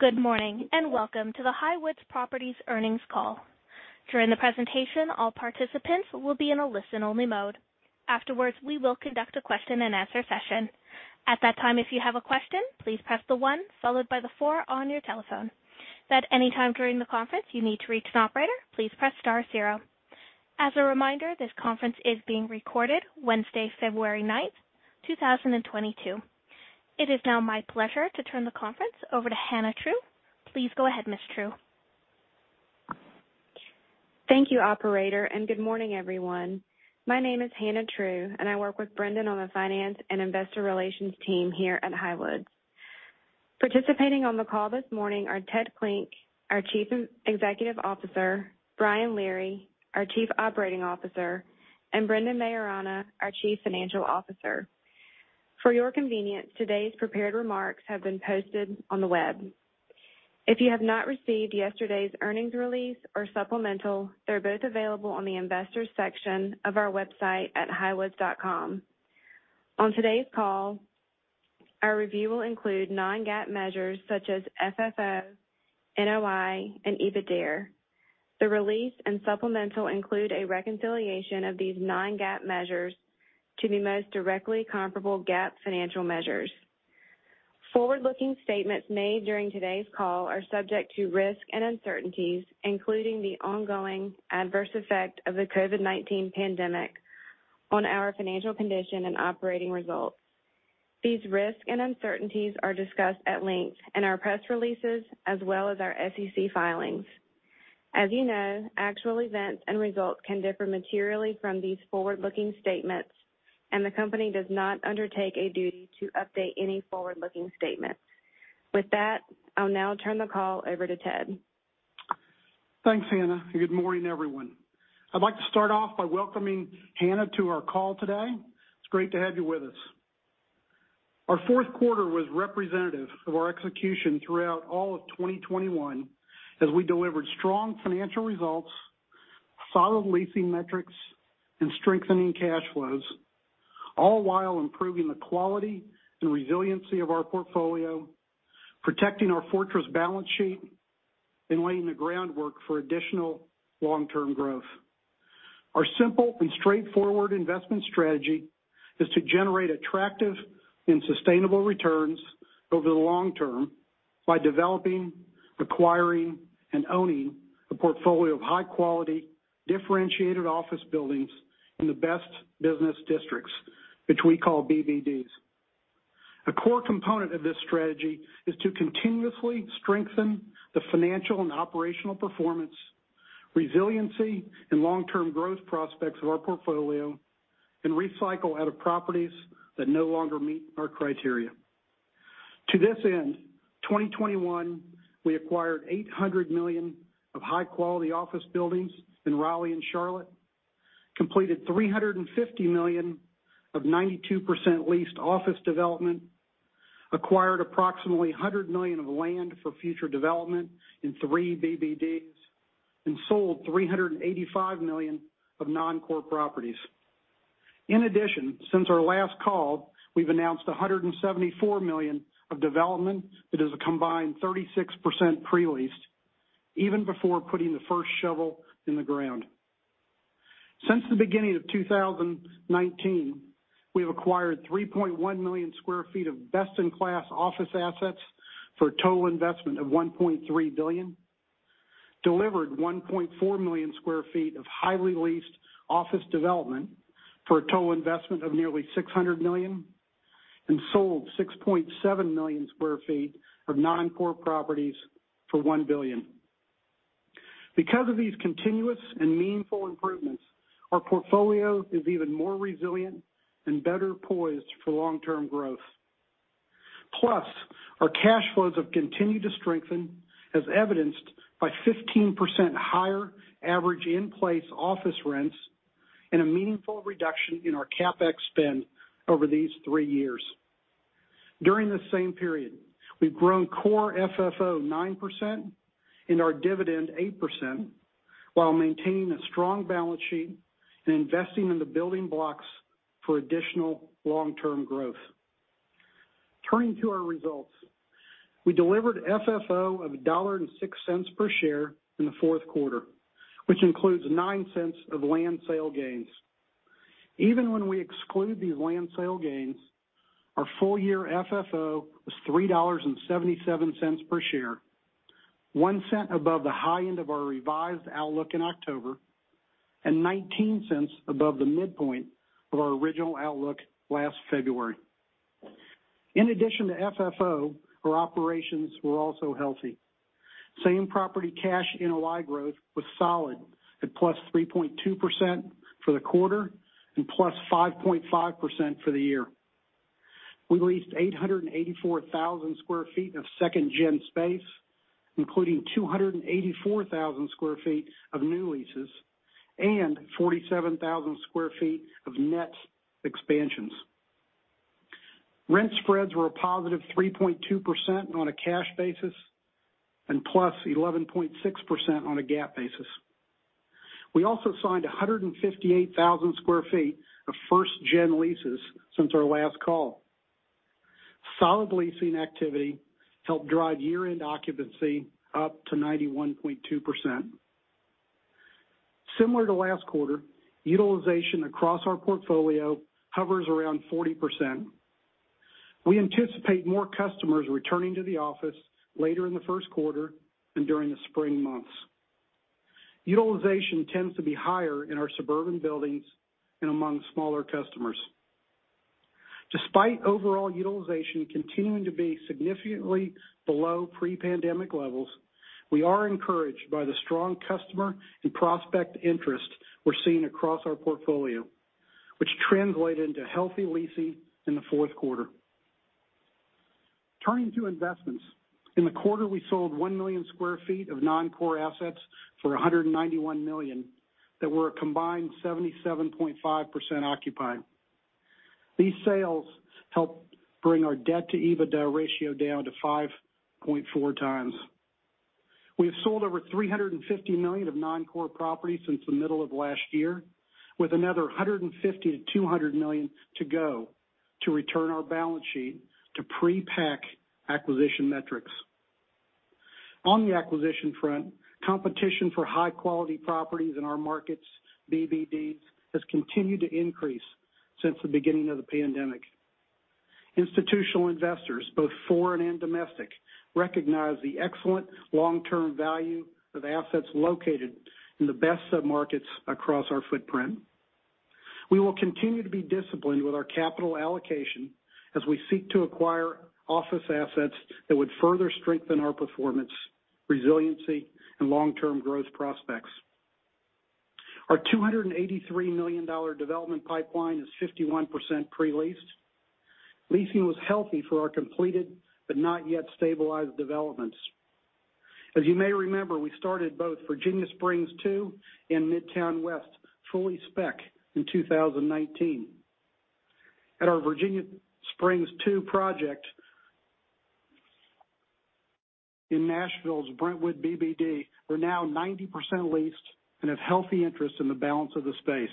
Good morning, and welcome to the Highwoods Properties Earnings Call. During the presentation, all participants will be in a listen-only mode. Afterwards, we will conduct a question-and-answer session. At that time, if you have a question, please press one followed by four on your telephone. If at any time during the conference you need to reach an operator, please press star zero. As a reminder, this conference is being recorded Wednesday, February 9, 2022. It is now my pleasure to turn the conference over to Hannah True. Please go ahead, Ms. True. Thank you, operator, and good morning, everyone. My name is Hannah True, and I work with Brendan on the Finance and Investor Relations team here at Highwoods. Participating on the call this morning are Ted Klinck, our Chief Executive Officer, Brian Leary, our Chief Operating Officer, and Brendan Maiorana, our Chief Financial Officer. For your convenience, today's prepared remarks have been posted on the web. If you have not received yesterday's earnings release or supplemental, they're both available on the Investors section of our website at highwoods.com. On today's call, our review will include non-GAAP measures such as FFO, NOI, and EBITDAre. The release and supplemental include a reconciliation of these non-GAAP measures to the most directly comparable GAAP financial measures. Forward-looking statements made during today's call are subject to risks and uncertainties, including the ongoing adverse effect of the COVID-19 pandemic on our financial condition and operating results. These risks and uncertainties are discussed at length in our press releases as well as our SEC filings. As you know, actual events and results can differ materially from these forward-looking statements, and the company does not undertake a duty to update any forward-looking statement. With that, I'll now turn the call over to Ted. Thanks, Hannah, and good morning, everyone. I'd like to start off by welcoming Hannah to our call today. It's great to have you with us. Our fourth quarter was representative of our execution throughout all of 2021 as we delivered strong financial results, solid leasing metrics, and strengthening cash flows, all while improving the quality and resiliency of our portfolio, protecting our fortress balance sheet, and laying the groundwork for additional long-term growth. Our simple and straightforward investment strategy is to generate attractive and sustainable returns over the long term by developing, acquiring, and owning a portfolio of high-quality, differentiated office buildings in the best business districts, which we call BBDs. A core component of this strategy is to continuously strengthen the financial and operational performance, resiliency, and long-term growth prospects of our portfolio and recycle out of properties that no longer meet our criteria. To this end, 2021, we acquired $800 million of high-quality office buildings in Raleigh and Charlotte, completed $350 million of 92% leased office development, acquired approximately $100 million of land for future development in 3 BBDs, and sold $385 million of non-core properties. In addition, since our last call, we've announced $174 million of development that is a combined 36% pre-leased even before putting the first shovel in the ground. Since the beginning of 2019, we have acquired 3.1 million sq ft of best-in-class office assets for a total investment of $1.3 billion, delivered 1.4 million sq ft of highly leased office development for a total investment of nearly $600 million, and sold 6.7 million sq ft of non-core properties for $1 billion. Because of these continuous and meaningful improvements, our portfolio is even more resilient and better poised for long-term growth. Plus, our cash flows have continued to strengthen, as evidenced by 15% higher average in-place office rents and a meaningful reduction in our CapEx spend over these three years. During this same period, we've grown core FFO 9% and our dividend 8% while maintaining a strong balance sheet and investing in the building blocks for additional long-term growth. Turning to our results. We delivered FFO of $1.06 per share in the fourth quarter, which includes $0.09 of land sale gains. Even when we exclude these land sale gains, our full year FFO was $3.77 per share, $0.01 above the high end of our revised outlook in October, and $0.19 above the midpoint of our original outlook last February. In addition to FFO, our operations were also healthy. Same property cash NOI growth was solid at +3.2% for the quarter and +5.5% for the year. We leased 884,000 sq ft of second gen space, including 284,000 sq ft of new leases and 47,000 sq ft of net expansions. Rent spreads were a positive 3.2% on a cash basis, and +11.6% on a GAAP basis. We also signed 158,000 sq ft of first gen leases since our last call. Solid leasing activity helped drive year-end occupancy up to 91.2%. Similar to last quarter, utilization across our portfolio hovers around 40%. We anticipate more customers returning to the office later in the first quarter and during the spring months. Utilization tends to be higher in our suburban buildings and among smaller customers. Despite overall utilization continuing to be significantly below pre-pandemic levels, we are encouraged by the strong customer and prospect interest we're seeing across our portfolio, which translated into healthy leasing in the fourth quarter. Turning to investments. In the quarter, we sold 1 million sq ft of non-core assets for $191 million that were a combined 77.5% occupied. These sales helped bring our debt to EBITDAre ratio down to 5.4 times. We have sold over $350 million of non-core properties since the middle of last year, with another $150 million-$200 million to go to return our balance sheet to pre-PAC acquisition metrics. On the acquisition front, competition for high quality properties in our markets, BBDs, has continued to increase since the beginning of the pandemic. Institutional investors, both foreign and domestic, recognize the excellent long-term value of assets located in the best submarkets across our footprint. We will continue to be disciplined with our capital allocation as we seek to acquire office assets that would further strengthen our performance, resiliency, and long-term growth prospects. Our $283 million development pipeline is 51% pre-leased. Leasing was healthy for our completed but not yet stabilized developments. As you may remember, we started both Virginia Springs Two and Midtown West fully spec in 2019. At our Virginia Springs Two project in Nashville's Brentwood BBD, we're now 90% leased and have healthy interest in the balance of the space.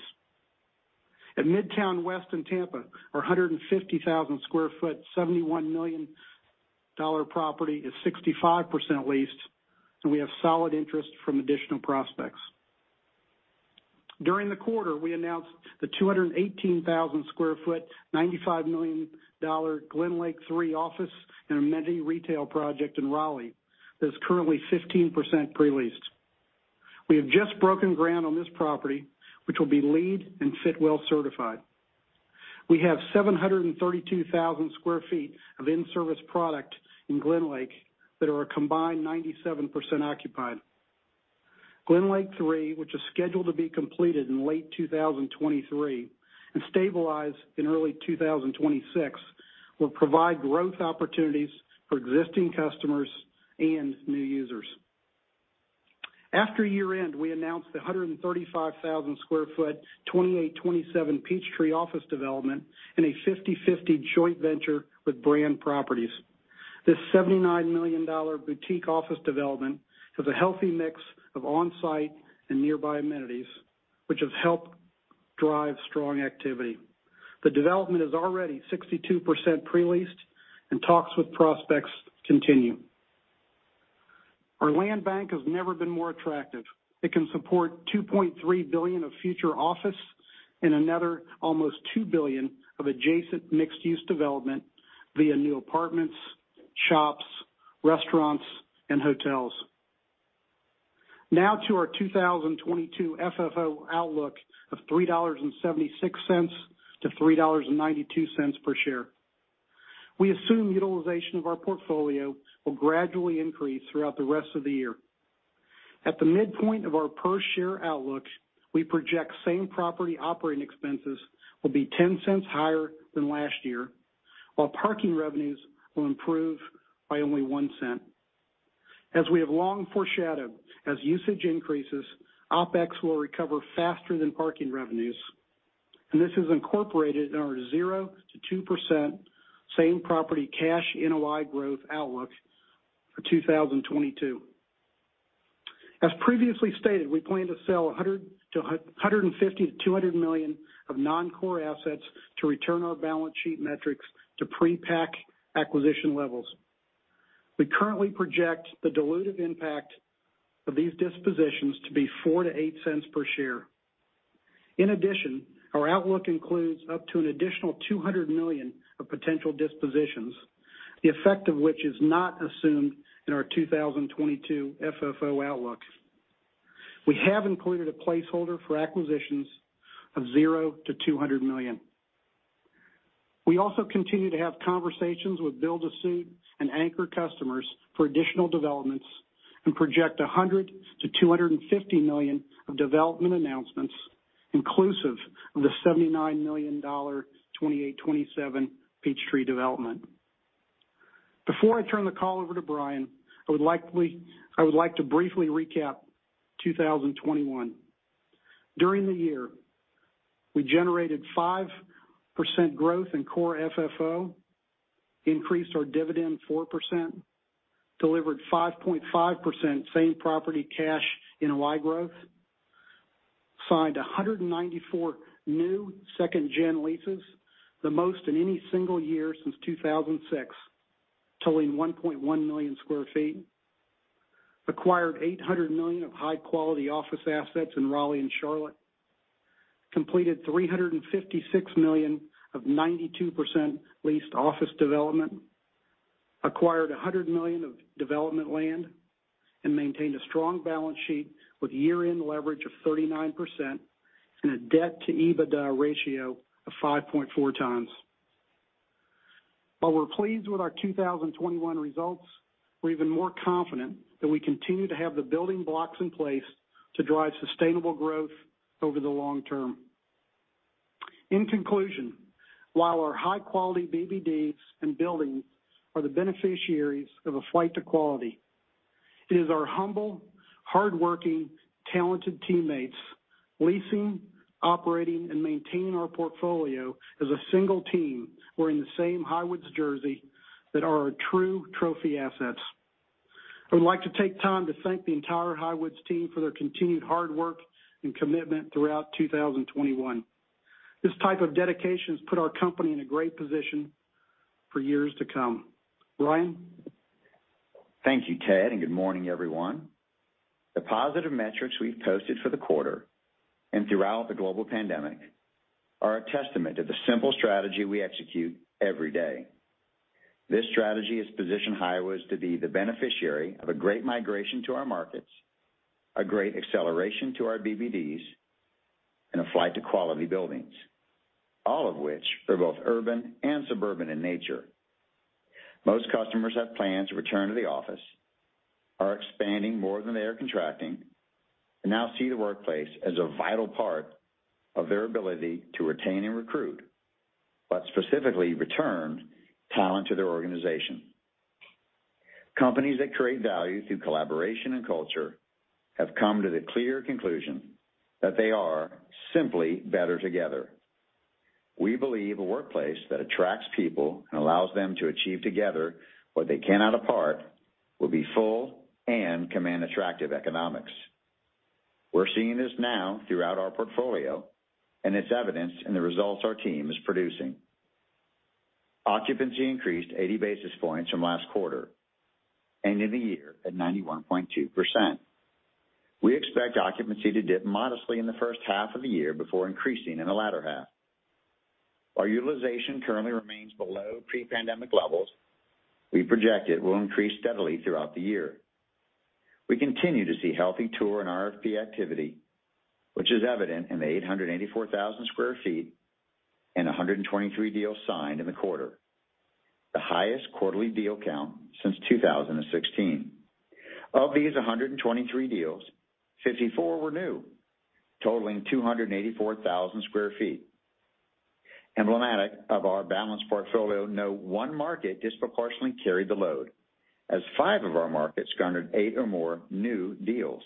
At Midtown West in Tampa, our 150,000 sq ft, $71 million property is 65% leased, and we have solid interest from additional prospects. During the quarter, we announced the 218,000 sq ft, $95 million GlenLake Three office and amenity retail project in Raleigh that is currently 15% pre-leased. We have just broken ground on this property, which will be LEED and Fitwel certified. We have 732,000 sq ft of in-service product in GlenLake that are a combined 97% occupied. GlenLake Three, which is scheduled to be completed in late 2023 and stabilized in early 2026, will provide growth opportunities for existing customers and new users. After year-end, we announced the 135,000 sq ft, 2827 Peachtree office development in a 50/50 joint venture with Brand Properties. This $79 million boutique office development has a healthy mix of on-site and nearby amenities, which have helped drive strong activity. The development is already 62% pre-leased and talks with prospects continue. Our land bank has never been more attractive. It can support $2.3 billion of future office and another almost $2 billion of adjacent mixed-use development via new apartments, shops, restaurants, and hotels. Now to our 2022 FFO outlook of $3.76-$3.92 per share. We assume utilization of our portfolio will gradually increase throughout the rest of the year. At the midpoint of our per share outlook, we project same property operating expenses will be $0.10 higher than last year, while parking revenues will improve by only $0.01. As we have long foreshadowed, as usage increases, OpEx will recover faster than parking revenues, and this is incorporated in our 0%-2% same property cash NOI growth outlook for 2022. As previously stated, we plan to sell $150 million-$200 million of non-core assets to return our balance sheet metrics to pre-PAC acquisition levels. We currently project the dilutive impact of these dispositions to be $0.04-$0.08 per share. In addition, our outlook includes up to an additional $200 million of potential dispositions, the effect of which is not assumed in our 2022 FFO outlook. We have included a placeholder for acquisitions of $0-$200 million. We also continue to have conversations with build-to-suit and anchor customers for additional developments and project $100 million-$250 million of development announcements inclusive of the $79 million 2827 Peachtree development. Before I turn the call over to Brian, I would like to briefly recap 2021. During the year, we generated 5% growth in core FFO, increased our dividend 4%, delivered 5.5% same property cash NOI growth, signed 194 new second gen leases, the most in any single year since 2006, totaling 1.1 million sq ft. Acquired $800 million of high quality office assets in Raleigh and Charlotte. Completed $356 million of 92% leased office development. Acquired $100 million of development land and maintained a strong balance sheet with year-end leverage of 39% and a debt to EBITDAre ratio of 5.4 times. While we're pleased with our 2021 results, we're even more confident that we continue to have the building blocks in place to drive sustainable growth over the long term. In conclusion, while our high quality BBDs and buildings are the beneficiaries of a flight to quality, it is our humble, hardworking, talented teammates, leasing, operating and maintaining our portfolio as a single team who are in the same Highwoods jersey that are our true trophy assets. I would like to take time to thank the entire Highwoods team for their continued hard work and commitment throughout 2021. This type of dedication has put our company in a great position for years to come. Brian Leary. Thank you, Ted, and good morning, everyone. The positive metrics we've posted for the quarter and throughout the global pandemic are a testament to the simple strategy we execute every day. This strategy has positioned Highwoods to be the beneficiary of a great migration to our markets, a great acceleration to our BBDs, and a flight to quality buildings, all of which are both urban and suburban in nature. Most customers have plans to return to the office, are expanding more than they are contracting, and now see the workplace as a vital part of their ability to retain and recruit, but specifically return talent to their organization. Companies that create value through collaboration and culture have come to the clear conclusion that they are simply better together. We believe a workplace that attracts people and allows them to achieve together what they cannot apart will be full and command attractive economics. We're seeing this now throughout our portfolio, and it's evidenced in the results our team is producing. Occupancy increased 80 basis points from last quarter, ending the year at 91.2%. We expect occupancy to dip modestly in the first half of the year before increasing in the latter half. Our utilization currently remains below pre-pandemic levels. We project it will increase steadily throughout the year. We continue to see healthy tour and RFP activity, which is evident in the 884,000 sq ft and 123 deals signed in the quarter, the highest quarterly deal count since 2016. Of these 123 deals, 54 were new, totaling 284,000 sq ft. Emblematic of our balanced portfolio, no one market disproportionately carried the load, as five of our markets garnered eight or more new deals.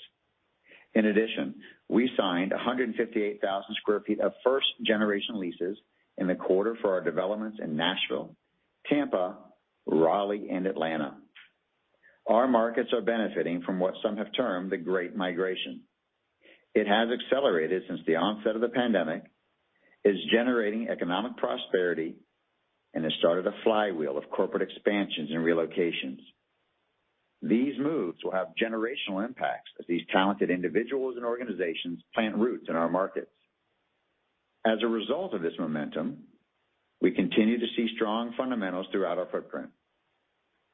In addition, we signed 158,000 sq ft of first generation leases in the quarter for our developments in Nashville, Tampa, Raleigh, and Atlanta. Our markets are benefiting from what some have termed the Great Migration. It has accelerated since the onset of the pandemic, is generating economic prosperity, and has started a flywheel of corporate expansions and relocations. These moves will have generational impacts as these talented individuals and organizations plant roots in our markets. As a result of this momentum, we continue to see strong fundamentals throughout our footprint.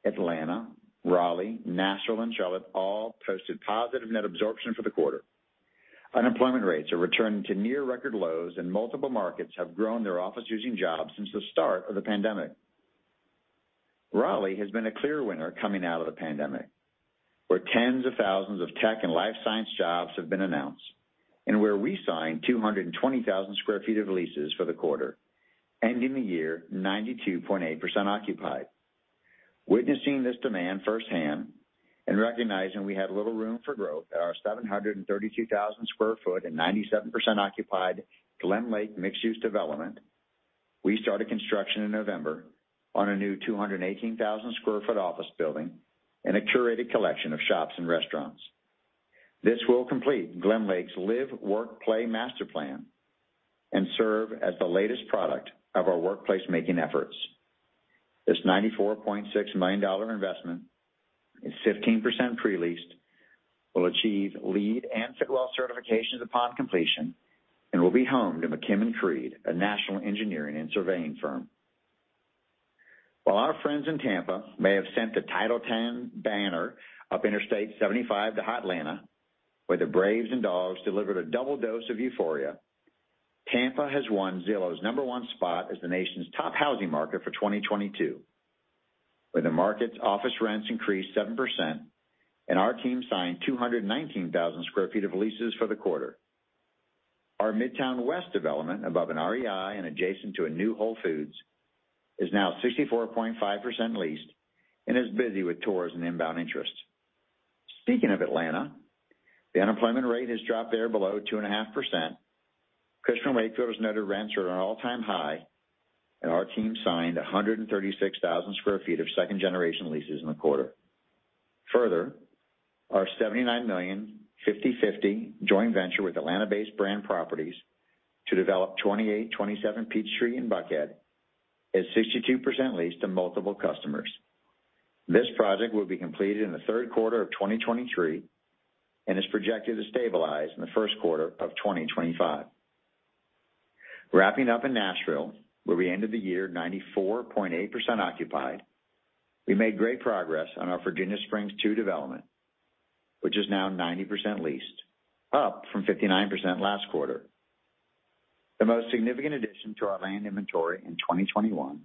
Atlanta, Raleigh, Nashville, and Charlotte all posted positive net absorption for the quarter. Unemployment rates are returning to near record lows, and multiple markets have grown their office-using jobs since the start of the pandemic. Raleigh has been a clear winner coming out of the pandemic, where tens of thousands of tech and life science jobs have been announced, and where we signed 220,000 sq ft of leases for the quarter, ending the year 92.8% occupied. Witnessing this demand firsthand and recognizing we had little room for growth at our 732,000 sq ft and 97% occupied GlenLake mixed-use development, we started construction in November on a new 218,000 sq ft office building and a curated collection of shops and restaurants. This will complete GlenLake's live, work, play master plan and serve as the latest product of our workplace making efforts. This $94.6 million investment is 15% pre-leased, will achieve LEED and Fitwel certifications upon completion, and will be home to McKim & Creed, a national engineering and surveying firm. While our friends in Tampa may have sent the Title Town banner up Interstate 75 to Hotlanta, where the Braves and Dawgs delivered a double dose of euphoria, Tampa has won Zillow's number one spot as the nation's top housing market for 2022, where the market's office rents increased 7% and our team signed 219,000 sq ft of leases for the quarter. Our Midtown West development above an REI and adjacent to a new Whole Foods is now 64.5% leased and is busy with tours and inbound interests. Speaking of Atlanta, the unemployment rate has dropped there below 2.5%. Cushman & Wakefield has noted rents are at an all-time high, and our team signed 136,000 sq ft of second-generation leases in the quarter. Further, our $79 million 50/50 joint venture with Atlanta-based Brand Properties to develop 2827 Peachtree in Buckhead is 62% leased to multiple customers. This project will be completed in the third quarter of 2023 and is projected to stabilize in the first quarter of 2025. Wrapping up in Nashville, where we ended the year 94.8% occupied, we made great progress on our Virginia Springs Two development, which is now 90% leased, up from 59% last quarter. The most significant addition to our land inventory in 2021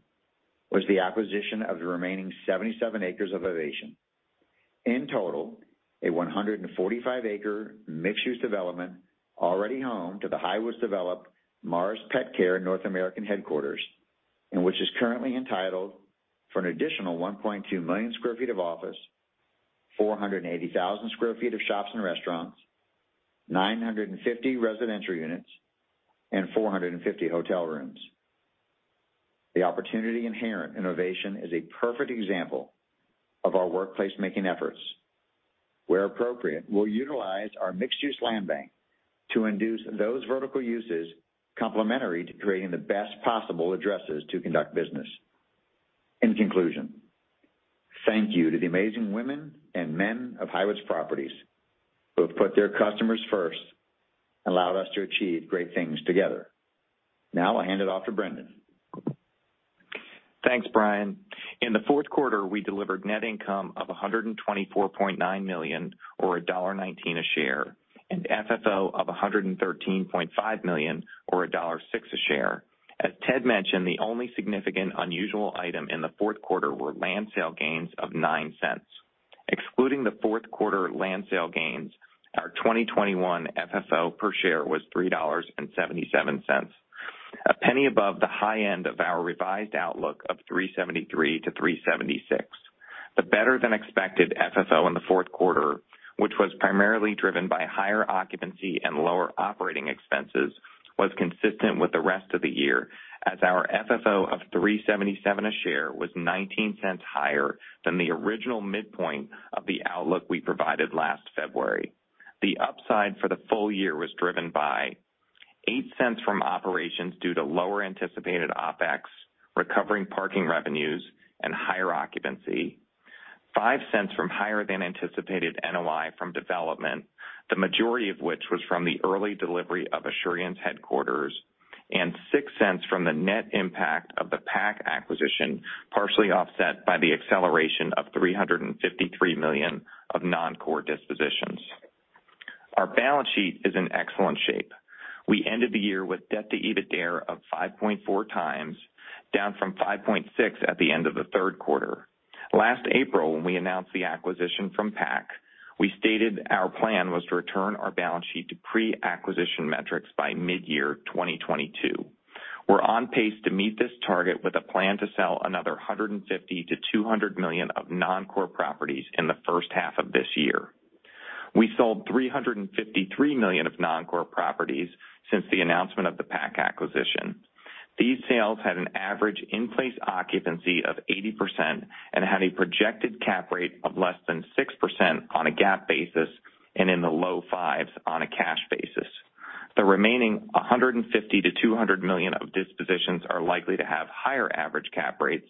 was the acquisition of the remaining 77 acres of Ovation. In total, a 145-acre mixed-use development already home to the Highwoods-developed Mars Petcare North American headquarters, and which is currently entitled for an additional 1.2 million sq ft of office, 480,000 sq ft of shops and restaurants, 950 residential units, and 450 hotel rooms. The opportunity inherent in Ovation is a perfect example of our workplace making efforts. Where appropriate, we'll utilize our mixed-use land bank to induce those vertical uses complementary to creating the best possible addresses to conduct business. In conclusion, thank you to the amazing women and men of Highwoods Properties who have put their customers first and allowed us to achieve great things together. Now I'll hand it off to Brendan. Thanks, Brian. In the fourth quarter, we delivered net income of $124.9 million or $1.19 a share, and FFO of $113.5 million or $1.06 a share. As Ted mentioned, the only significant unusual item in the fourth quarter were land sale gains of $0.09. Excluding the fourth quarter land sale gains, our 2021 FFO per share was $3.77, a penny above the high end of our revised outlook of $3.73-$3.76. The better-than-expected FFO in the fourth quarter, which was primarily driven by higher occupancy and lower operating expenses, was consistent with the rest of the year as our FFO of $3.77 a share was $0.19 higher than the original midpoint of the outlook we provided last February. The upside for the full year was driven by $0.08 from operations due to lower anticipated OpEx, recovering parking revenues, and higher occupancy, $0.05 from higher than anticipated NOI from development, the majority of which was from the early delivery of Asurion's headquarters, and $0.06 from the net impact of the PAC acquisition, partially offset by the acceleration of $353 million of non-core dispositions. Our balance sheet is in excellent shape. We ended the year with debt to EBITDAre of 5.4 times, down from 5.6 at the end of the third quarter. Last April, when we announced the acquisition from PAC, we stated our plan was to return our balance sheet to pre-acquisition metrics by mid-year 2022. We're on pace to meet this target with a plan to sell another $150 million-$200 million of non-core properties in the first half of this year. We sold $353 million of non-core properties since the announcement of the PAC acquisition. These sales had an average in-place occupancy of 80% and had a projected cap rate of less than 6% on a GAAP basis and in the low 5s on a cash basis. The remaining $150 million-$200 million of dispositions are likely to have higher average cap rates,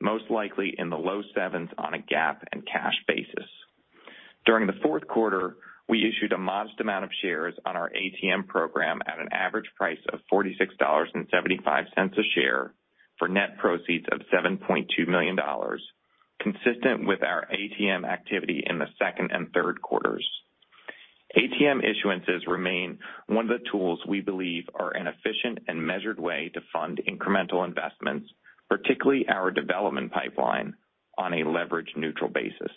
most likely in the low 7s on a GAAP and cash basis. During the fourth quarter, we issued a modest amount of shares on our ATM program at an average price of $46.75 a share for net proceeds of $7.2 million, consistent with our ATM activity in the second and third quarters. ATM issuances remain one of the tools we believe are an efficient and measured way to fund incremental investments, particularly our development pipeline, on a leverage neutral basis.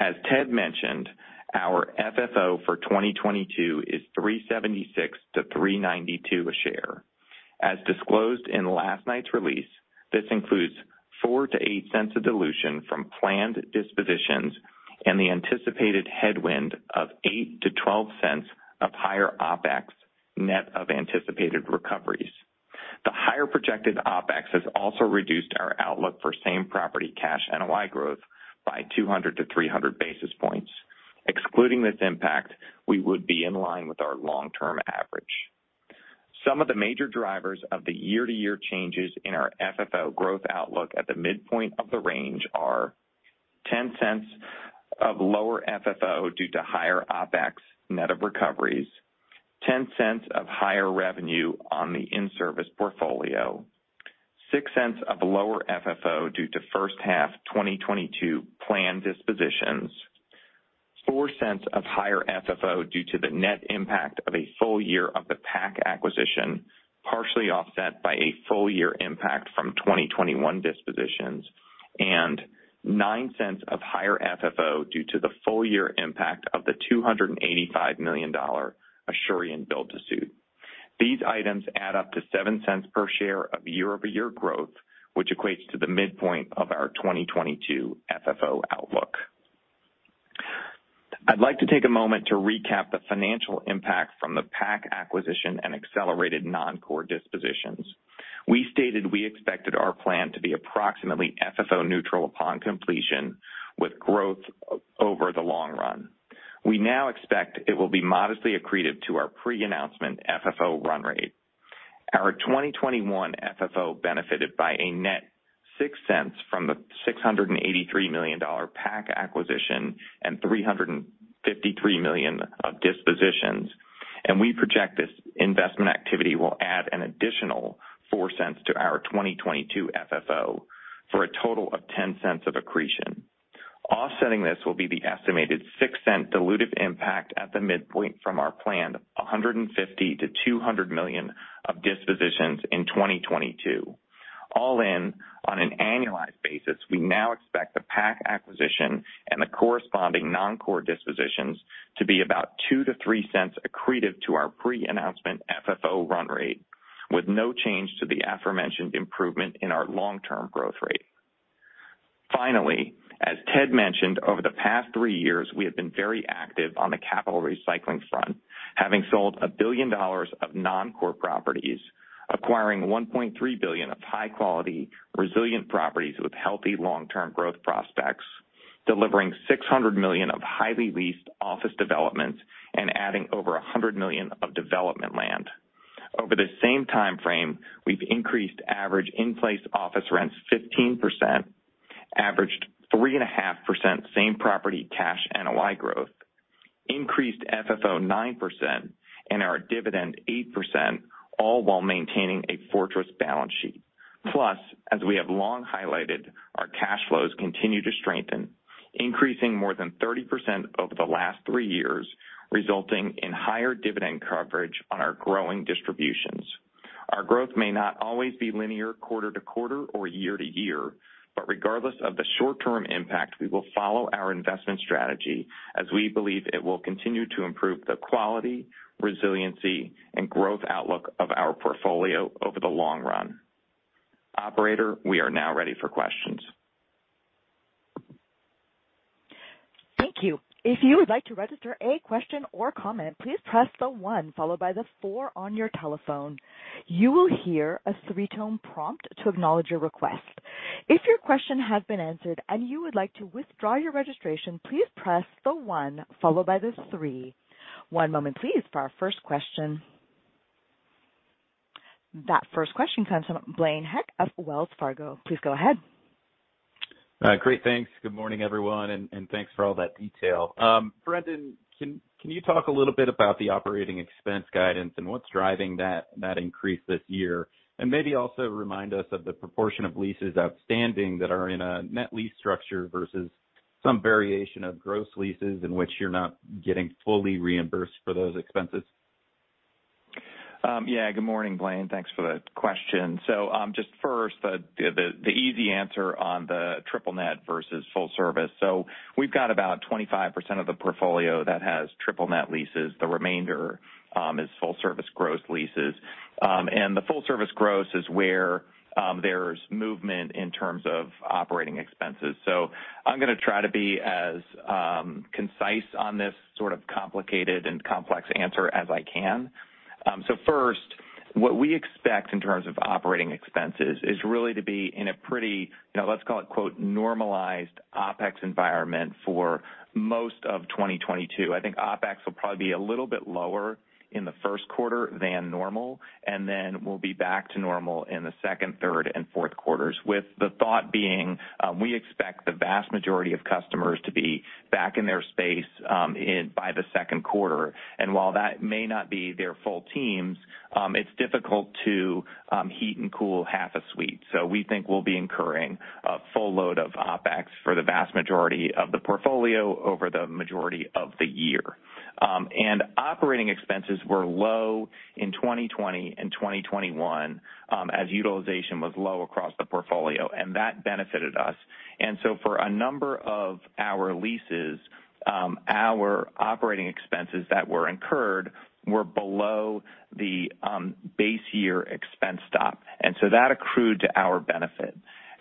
As Ted mentioned, our FFO for 2022 is $3.76-$3.92 a share. As disclosed in last night's release, this includes 4-8 cents of dilution from planned dispositions and the anticipated headwind of 8-12 cents of higher OpEx net of anticipated recoveries. The higher projected OpEx has also reduced our outlook for same property cash NOI growth by 200-300 basis points. Excluding this impact, we would be in line with our long-term average. Some of the major drivers of the year-to-year changes in our FFO growth outlook at the midpoint of the range are 10 cents of lower FFO due to higher OpEx net of recoveries, 10 cents of higher revenue on the in-service portfolio, 6 cents of lower FFO due to first half 2022 planned dispositions, 4 cents of higher FFO due to the net impact of a full year of the PAC acquisition, partially offset by a full year impact from 2021 dispositions, and 9 cents of higher FFO due to the full year impact of the $285 million Asurion build-to-suit. These items add up to 7 cents per share of year-over-year growth, which equates to the midpoint of our 2022 FFO outlook. I'd like to take a moment to recap the financial impact from the PAC acquisition and accelerated non-core dispositions. We stated we expected our plan to be approximately FFO neutral upon completion, with growth over the long run. We now expect it will be modestly accretive to our pre-announcement FFO run rate. Our 2021 FFO benefited by a net $0.06 from the $683 million PAC acquisition and $353 million of dispositions, and we project this investment activity will add an additional $0.04 to our 2022 FFO, for a total of $0.10 of accretion. Offsetting this will be the estimated $0.06 dilutive impact at the midpoint from our planned $150 million-$200 million of dispositions in 2022. All in, on an annualized basis, we now expect the PAC acquisition and the corresponding non-core dispositions to be about 2-3 cents accretive to our pre-announcement FFO run rate, with no change to the aforementioned improvement in our long-term growth rate. Finally, as Ted mentioned, over the past three years, we have been very active on the capital recycling front, having sold $1 billion of non-core properties, acquiring $1.3 billion of high-quality, resilient properties with healthy long-term growth prospects, delivering $600 million of highly leased office developments, and adding over $100 million of development land. Over the same time frame, we've increased average in-place office rents 15%, averaged 3.5% same property cash NOI growth, increased FFO 9%, and our dividend 8%, all while maintaining a fortress balance sheet. Plus, as we have long highlighted, our cash flows continue to strengthen, increasing more than 30% over the last three years, resulting in higher dividend coverage on our growing distributions. Our growth may not always be linear quarter to quarter or year to year, but regardless of the short-term impact, we will follow our investment strategy, as we believe it will continue to improve the quality, resiliency, and growth outlook of our portfolio over the long run. Operator, we are now ready for questions. Thank you. If you would like to register a question or comment, please press one followed by four on your telephone. You will hear a three-tone prompt to acknowledge your request. If your question has been answered and you would like to withdraw your registration, please press one followed by three. One moment please for our first question. That first question comes from Blaine Heck of Wells Fargo. Please go ahead. Great, thanks. Good morning, everyone, and thanks for all that detail. Brendan, can you talk a little bit about the operating expense guidance and what's driving that increase this year? Maybe also remind us of the proportion of leases outstanding that are in a net lease structure versus some variation of gross leases in which you're not getting fully reimbursed for those expenses. Yeah, good morning, Blaine. Thanks for the question. Just first, the easy answer on the triple net versus full service. We've got about 25% of the portfolio that has triple net leases. The remainder is full service gross leases. The full service gross is where there's movement in terms of operating expenses. I'm gonna try to be as concise on this sort of complicated and complex answer as I can. First, what we expect in terms of operating expenses is really to be in a pretty, you know, let's call it, quote, normalized OpEx environment for most of 2022. I think OpEx will probably be a little bit lower in the first quarter than normal, and then we'll be back to normal in the second, third, and fourth quarters, with the thought being, we expect the vast majority of customers to be back in their space by the second quarter. While that may not be their full teams, it's difficult to heat and cool half a suite. We think we'll be incurring a full load of OpEx for the vast majority of the portfolio over the majority of the year. Operating expenses were low in 2020 and 2021, as utilization was low across the portfolio, and that benefited us. For a number of our leases, our operating expenses that were incurred were below the base year expense stop. That accrued to our benefit.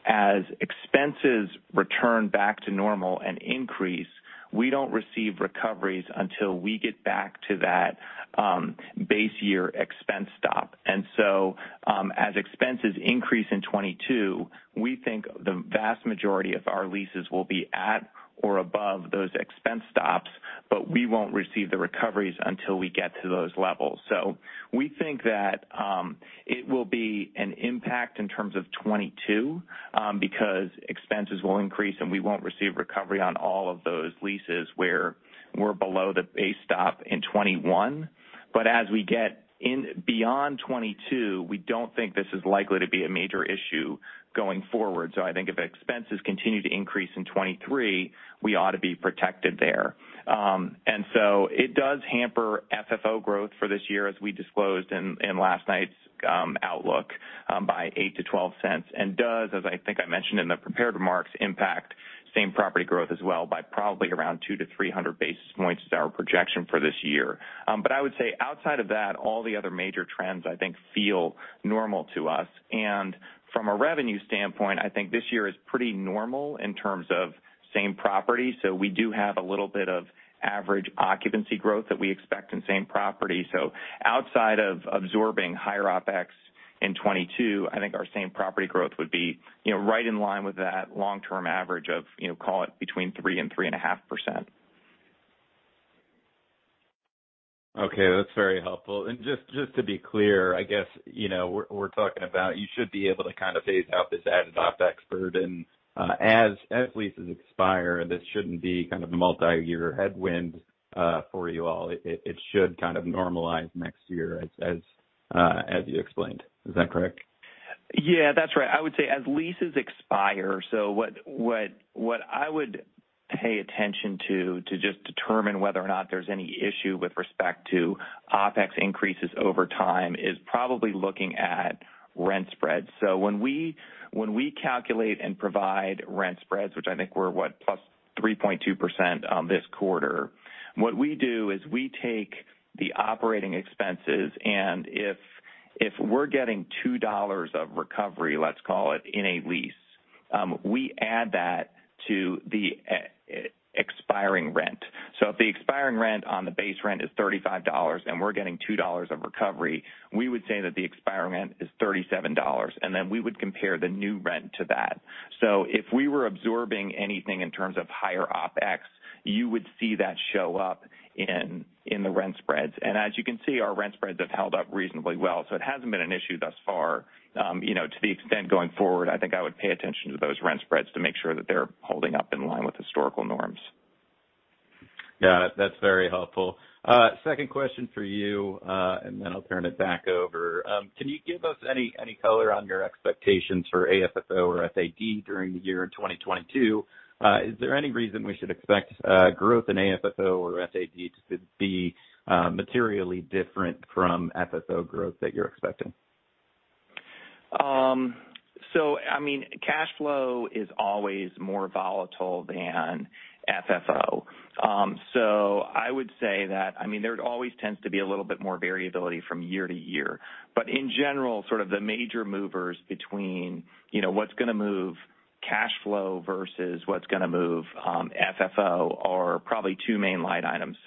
As expenses return back to normal and increase, we don't receive recoveries until we get back to that, base year expense stop. As expenses increase in 2022, we think the vast majority of our leases will be at or above those expense stops, but we won't receive the recoveries until we get to those levels. We think that it will be an impact in terms of 2022, because expenses will increase and we won't receive recovery on all of those leases where we're below the base stop in 2021. As we get beyond 2022, we don't think this is likely to be a major issue going forward. I think if expenses continue to increase in 2023, we ought to be protected there. It does hamper FFO growth for this year, as we disclosed in last night's outlook, by $0.08-$0.12. As I think I mentioned in the prepared remarks, it impacts same property growth as well by probably around 200-300 basis points, which is our projection for this year. I would say outside of that, all the other major trends I think feel normal to us. From a revenue standpoint, I think this year is pretty normal in terms of same property. We do have a little bit of average occupancy growth that we expect in same property. Outside of absorbing higher OpEx in 2022, I think our same property growth would be, you know, right in line with that long-term average of, you know, call it between 3%-3.5%. Okay. That's very helpful. Just to be clear, I guess, you know, we're talking about you should be able to kind of phase out this added OpEx burden as leases expire. This shouldn't be kind of a multi-year headwind for you all. It should kind of normalize next year as you explained. Is that correct? Yeah. That's right. I would say as leases expire, so what I would pay attention to just determine whether or not there's any issue with respect to OpEx increases over time is probably looking at rent spreads. When we calculate and provide rent spreads, which I think we're plus 3.2% on this quarter, what we do is we take the operating expenses, and if we're getting $2 of recovery, let's call it, in a lease, we add that to the expiring rent. If the expiring rent on the base rent is $35 and we're getting $2 of recovery, we would say that the expiring rent is $37, and then we would compare the new rent to that. If we were absorbing anything in terms of higher OpEx, you would see that show up in the rent spreads. As you can see, our rent spreads have held up reasonably well, so it hasn't been an issue thus far. You know, to the extent going forward, I think I would pay attention to those rent spreads to make sure that they're holding up in line with historical norms. Yeah. That's very helpful. Second question for you, and then I'll turn it back over. Can you give us any color on your expectations for AFFO or FAD during the year in 2022? Is there any reason we should expect growth in AFFO or FAD to be materially different from FFO growth that you're expecting? I mean, cash flow is always more volatile than FFO. I would say that, I mean, there always tends to be a little bit more variability from year to year. In general, sort of the major movers between, you know, what's gonna move cash flow versus what's gonna move, FFO are probably two main line items.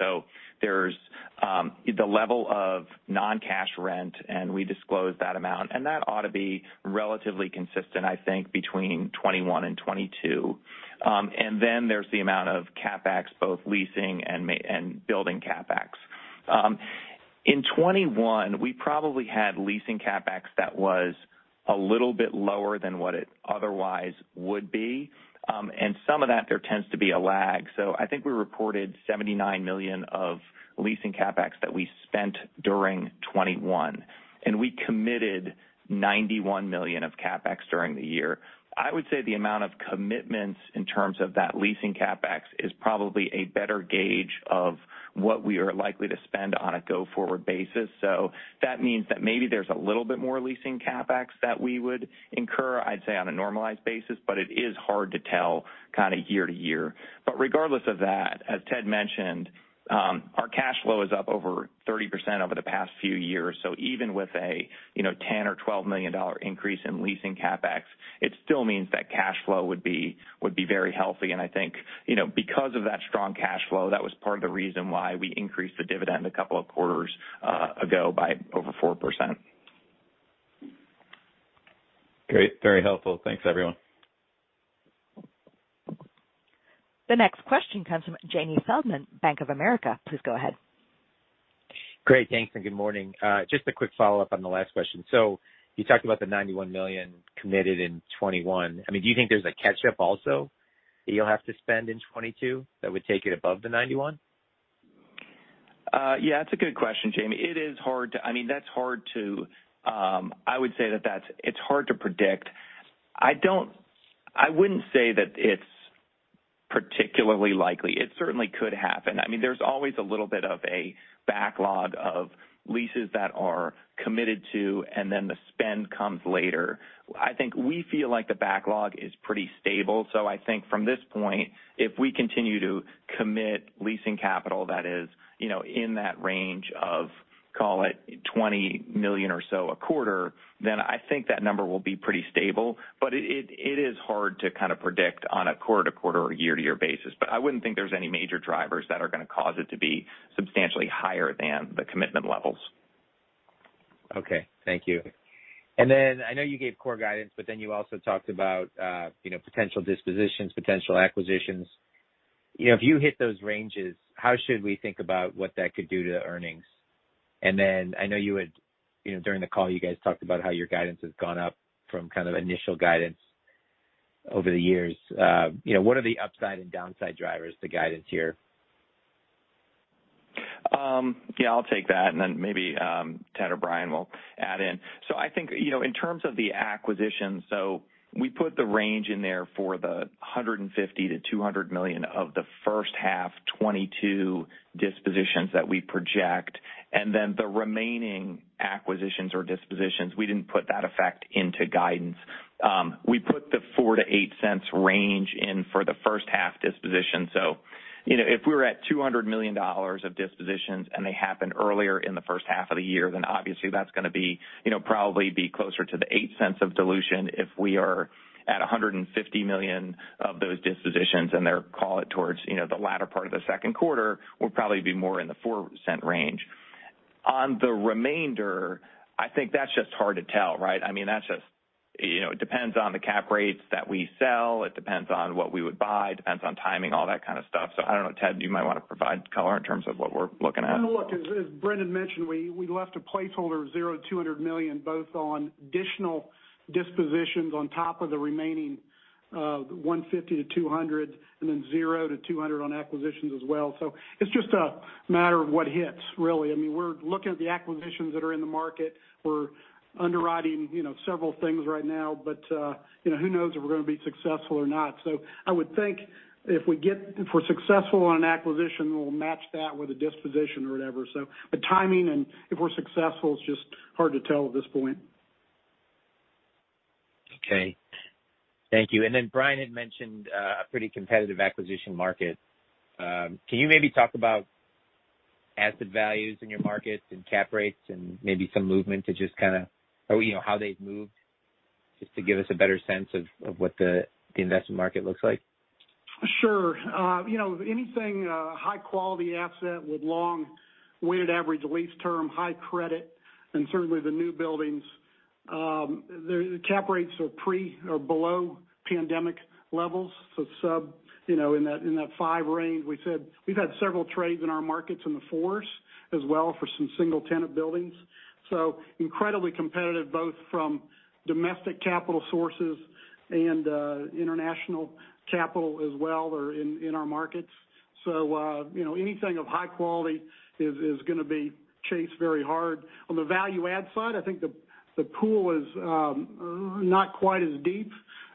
There's the level of non-cash rent, and we disclose that amount, and that ought to be relatively consistent, I think, between 2021 and 2022. Then there's the amount of CapEx, both leasing and building CapEx. In 2021, we probably had leasing CapEx that was a little bit lower than what it otherwise would be. Some of that there tends to be a lag. I think we reported $79 million of leasing CapEx that we spent during 2021, and we committed $91 million of CapEx during the year. I would say the amount of commitments in terms of that leasing CapEx is probably a better gauge of what we are likely to spend on a go-forward basis. That means that maybe there's a little bit more leasing CapEx that we would incur, I'd say, on a normalized basis, but it is hard to tell kind of year to year. Regardless of that, as Ted mentioned, our cash flow is up over 30% over the past few years. Even with a, you know, $10 million or $12 million dollar increase in leasing CapEx, it still means that cash flow would be very healthy. I think, you know, because of that strong cash flow, that was part of the reason why we increased the dividend a couple of quarters ago by over 4%. Great. Very helpful. Thanks, everyone. The next question comes from Jamie Feldman, Bank of America. Please go ahead. Great. Thanks, and good morning. Just a quick follow-up on the last question. You talked about the $91 million committed in 2021. I mean, do you think there's a catch up also that you'll have to spend in 2022 that would take it above the $91 million? That's a good question, Jamie. It is hard to predict. I mean, that's hard to predict. I would say that it's hard to predict. I wouldn't say that it's particularly likely. It certainly could happen. I mean, there's always a little bit of a backlog of leases that are committed to, and then the spend comes later. I think we feel like the backlog is pretty stable. I think from this point, if we continue to commit leasing capital that is, you know, in that range of, call it, $20 million or so a quarter, then I think that number will be pretty stable. But it is hard to kind of predict on a quarter-to-quarter or year-to-year basis. But I wouldn't think there's any major drivers that are gonna cause it to be substantially higher than the commitment levels. Okay. Thank you. I know you gave core guidance, but you also talked about, you know, potential dispositions, potential acquisitions. You know, if you hit those ranges, how should we think about what that could do to earnings? I know, you know, during the call, you guys talked about how your guidance has gone up from kind of initial guidance over the years. You know, what are the upside and downside drivers to guidance here? Yeah, I'll take that, and then maybe Ted or Brian will add in. I think, you know, in terms of the acquisition, we put the range in there for the $150 million-$200 million of the first half 2022 dispositions that we project. Then the remaining acquisitions or dispositions, we didn't put that effect into guidance. We put the $0.04-$0.08 range in for the first half disposition. You know, if we were at $200 million of dispositions and they happen earlier in the first half of the year, then obviously that's gonna be, you know, probably be closer to the $0.08 of dilution. If we are at $150 million of those dispositions and they're call it towards, you know, the latter part of the second quarter, we'll probably be more in the $0.04 range. On the remainder, I think that's just hard to tell, right? I mean, that's just. You know, it depends on the cap rates that we sell, it depends on what we would buy, it depends on timing, all that kind of stuff. I don't know, Ted, do you might want to provide color in terms of what we're looking at? No, look, as Brendan mentioned, we left a placeholder of $0-$200 million, both on additional dispositions on top of the remaining $150-$200 million, and then $0-$200 million on acquisitions as well. It's just a matter of what hits, really. I mean, we're looking at the acquisitions that are in the market. We're underwriting several things right now, but you know, who knows if we're gonna be successful or not. I would think if we're successful on an acquisition, we'll match that with a disposition or whatever. The timing and if we're successful, it's just hard to tell at this point. Okay. Thank you. Brian had mentioned a pretty competitive acquisition market. Can you maybe talk about asset values in your markets and cap rates and maybe some movement to just kinda or you know how they've moved just to give us a better sense of what the investment market looks like? Sure. You know, anything high quality asset with long weighted average lease term, high credit, and certainly the new buildings, the cap rates are pre or below pandemic levels. So sub, you know, in that 5 range. We said we've had several trades in our markets in the 4s as well for some single tenant buildings. So incredibly competitive, both from domestic capital sources and international capital as well in our markets. So, you know, anything of high quality is gonna be chased very hard. On the value add side, I think the pool is not quite as deep,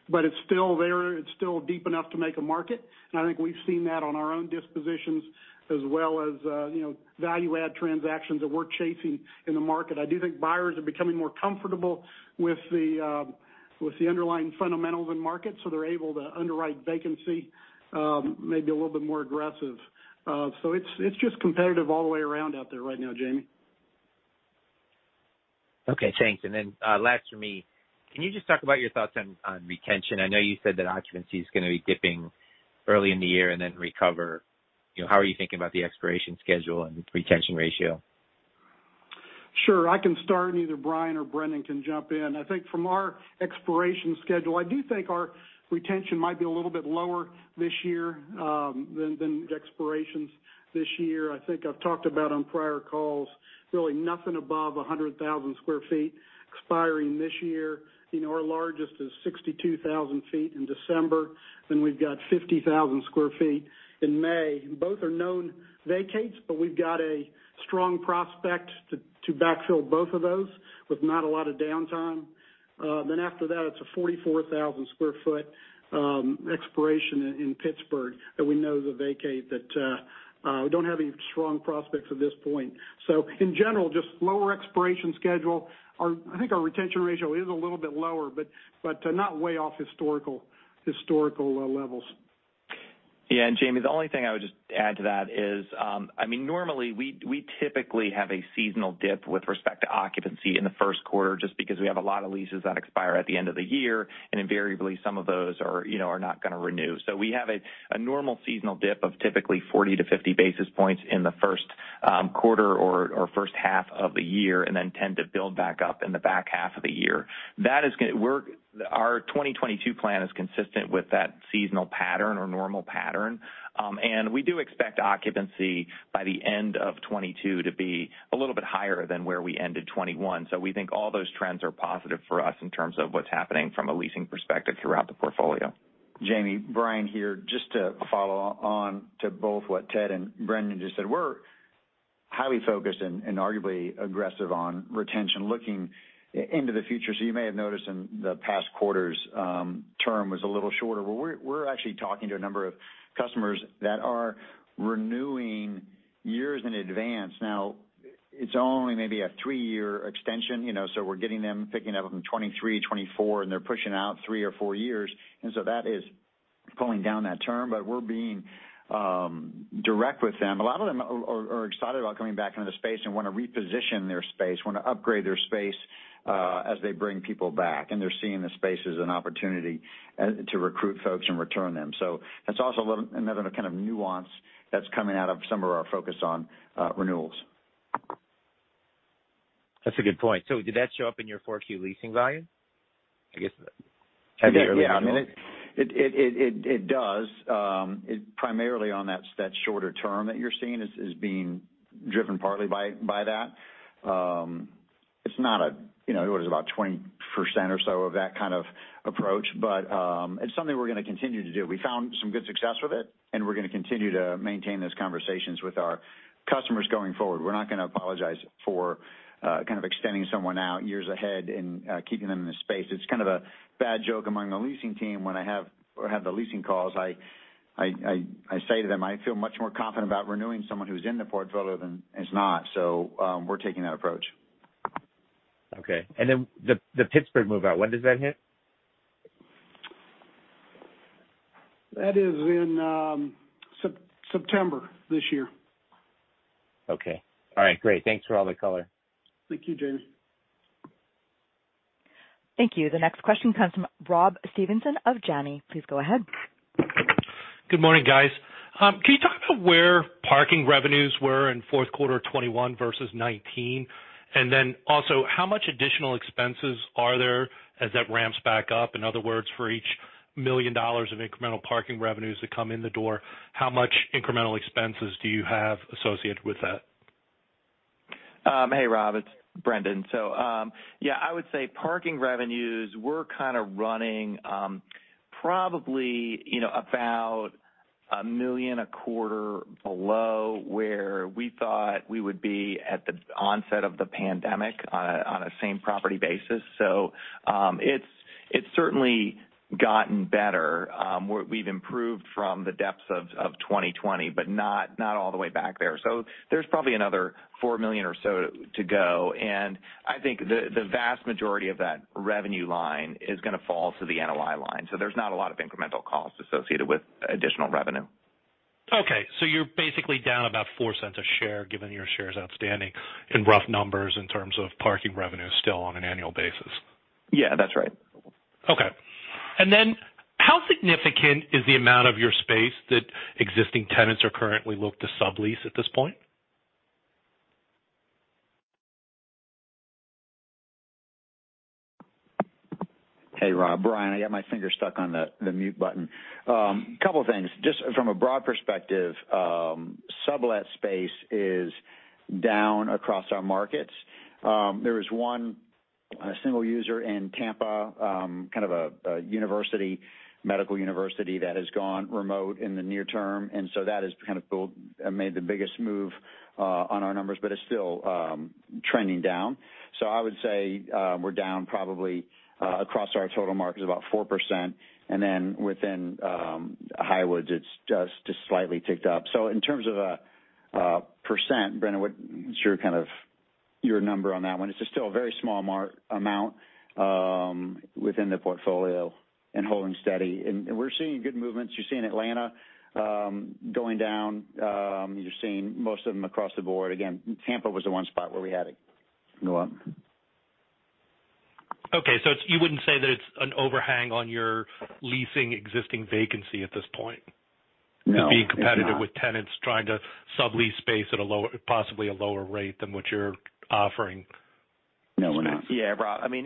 but it's still there. It's still deep enough to make a market. I think we've seen that on our own dispositions as well as, you know, value add transactions that we're chasing in the market. I do think buyers are becoming more comfortable with the underlying fundamentals in markets, so they're able to underwrite vacancy, maybe a little bit more aggressive. It's just competitive all the way around out there right now, Jamie. Okay, thanks. Last for me. Can you just talk about your thoughts on retention? I know you said that occupancy is gonna be dipping early in the year and then recover. You know, how are you thinking about the expiration schedule and retention ratio? Sure. I can start and either Brian or Brendan can jump in. I think from our expiration schedule, I do think our retention might be a little bit lower this year than the expirations this year. I think I've talked about on prior calls, really nothing above 100,000 sq ft expiring this year. You know, our largest is 62,000 sq ft in December, then we've got 50,000 sq ft in May. Both are known vacates, but we've got a strong prospect to backfill both of those with not a lot of downtime. Then after that, it's a 44,000 sq ft expiration in Pittsburgh that we know is a vacate that we don't have any strong prospects at this point. In general, just lower expiration schedule. I think our retention ratio is a little bit lower, but not way off historical levels. Yeah. Jamie, the only thing I would just add to that is, I mean, normally we typically have a seasonal dip with respect to occupancy in the first quarter just because we have a lot of leases that expire at the end of the year. Invariably some of those are, you know, not gonna renew. We have a normal seasonal dip of typically 40-50 basis points in the first quarter or first half of the year, and then tend to build back up in the back half of the year. Our 2022 plan is consistent with that seasonal pattern or normal pattern. We do expect occupancy by the end of 2022 to be a little bit higher than where we ended 2021. We think all those trends are positive for us in terms of what's happening from a leasing perspective throughout the portfolio. Jamie, Brian here. Just to follow on to both what Ted and Brendan just said. We're highly focused and arguably aggressive on retention looking into the future. You may have noticed in the past quarters, term was a little shorter. We're actually talking to a number of customers that are renewing years in advance. Now, it's only maybe a three-year extension, you know, so we're getting them, thinking of them in 2023, 2024, and they're pushing out three or four years. That is pulling down that term, but we're being direct with them. A lot of them are excited about coming back into the space and wanna reposition their space, wanna upgrade their space, as they bring people back, and they're seeing the space as an opportunity to recruit folks and return them. That's also a little, another kind of nuance that's coming out of some of our focus on renewals. That's a good point. Did that show up in your 4Q leasing value? It does. Primarily on that shorter term that you're seeing is being driven partly by that. You know, it was about 20% or so of that kind of approach, but it's something we're gonna continue to do. We found some good success with it, and we're gonna continue to maintain those conversations with our customers going forward. We're not gonna apologize for kind of extending someone out years ahead and keeping them in the space. It's kind of a bad joke among the leasing team when I have the leasing calls, I say to them, I feel much more confident about renewing someone who's in the portfolio than is not. We're taking that approach. Okay. The Pittsburgh move out, when does that hit? That is in September this year. Okay. All right, great. Thanks for all the color. Thank you, Jamie. Thank you. The next question comes from Robert Stevenson of Janney. Please go ahead. Good morning, guys. Can you talk about where parking revenues were in fourth quarter 2021 versus 2019? How much additional expenses are there as that ramps back up? In other words, for each $1 million of incremental parking revenues that come in the door, how much incremental expenses do you have associated with that? Hey, Rob, it's Brendan. Yeah, I would say parking revenues were kind of running probably, you know, about $1 million a quarter below where we thought we would be at the onset of the pandemic on a same property basis. It's certainly gotten better. We've improved from the depths of 2020, but not all the way back there. There's probably another $4 million or so to go. I think the vast majority of that revenue line is gonna fall to the NOI line. There's not a lot of incremental costs associated with additional revenue. Okay, you're basically down about $0.04 a share given your shares outstanding in rough numbers in terms of parking revenue still on an annual basis. Yeah, that's right. Okay. How significant is the amount of your space that existing tenants are currently looking to sublease at this point? Hey, Rob. Brian, I got my finger stuck on the mute button. Couple things. Just from a broad perspective, sublet space is down across our markets. There is one single user in Tampa, kind of a university, medical university that has gone remote in the near term. That has kind of made the biggest move on our numbers, but it's still trending down. I would say, we're down probably across our total markets about 4%. Then within Highwoods, it's just slightly ticked up. In terms of a percent, Brendan, what's your number on that one? It's still a very small amount within the portfolio and holding steady. We're seeing good movements. You're seeing Atlanta going down. You're seeing most of them across the board. Again, Tampa was the one spot where we had it go up. You wouldn't say that it's an overhang on your leasing existing vacancy at this point? No, it's not. To be competitive with tenants trying to sublease space at a lower rate than what you're offering. No, we're not. Yeah, Rob, I mean,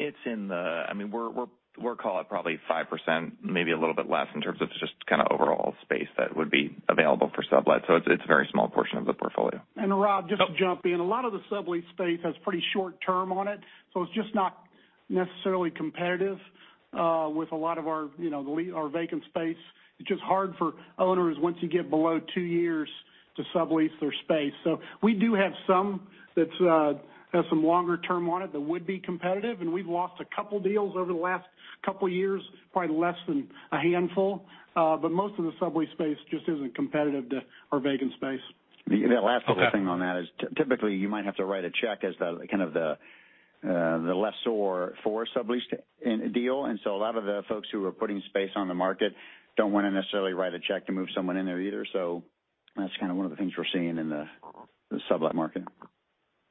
we'll call it probably 5%, maybe a little bit less in terms of just kind of overall space that would be available for sublet. It's a very small portion of the portfolio. Rob, just to jump in. A lot of the sublease space has pretty short term on it, so it's just not necessarily competitive with a lot of our, you know, our vacant space. It's just hard for owners once you get below two years to sublease their space. We do have some that has some longer term on it that would be competitive. We've lost a couple deals over the last couple years, probably less than a handful. Most of the sublease space just isn't competitive to our vacant space. The last little thing on that is typically, you might have to write a check as the lessor for a sublease deal. A lot of the folks who are putting space on the market don't wanna necessarily write a check to move someone in there either. That's kind of one of the things we're seeing in the sublet market.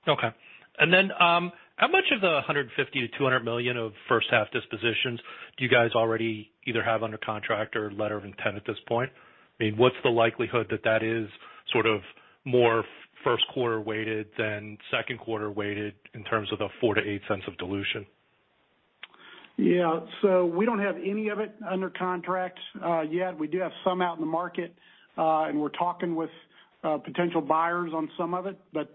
Okay. How much of the $150 million-$200 million of first half dispositions do you guys already either have under contract or letter of intent at this point? I mean, what's the likelihood that that is sort of more first quarter weighted than second quarter weighted in terms of the $0.04-$0.08 of dilution? Yeah. We don't have any of it under contract yet. We do have some out in the market, and we're talking with potential buyers on some of it, but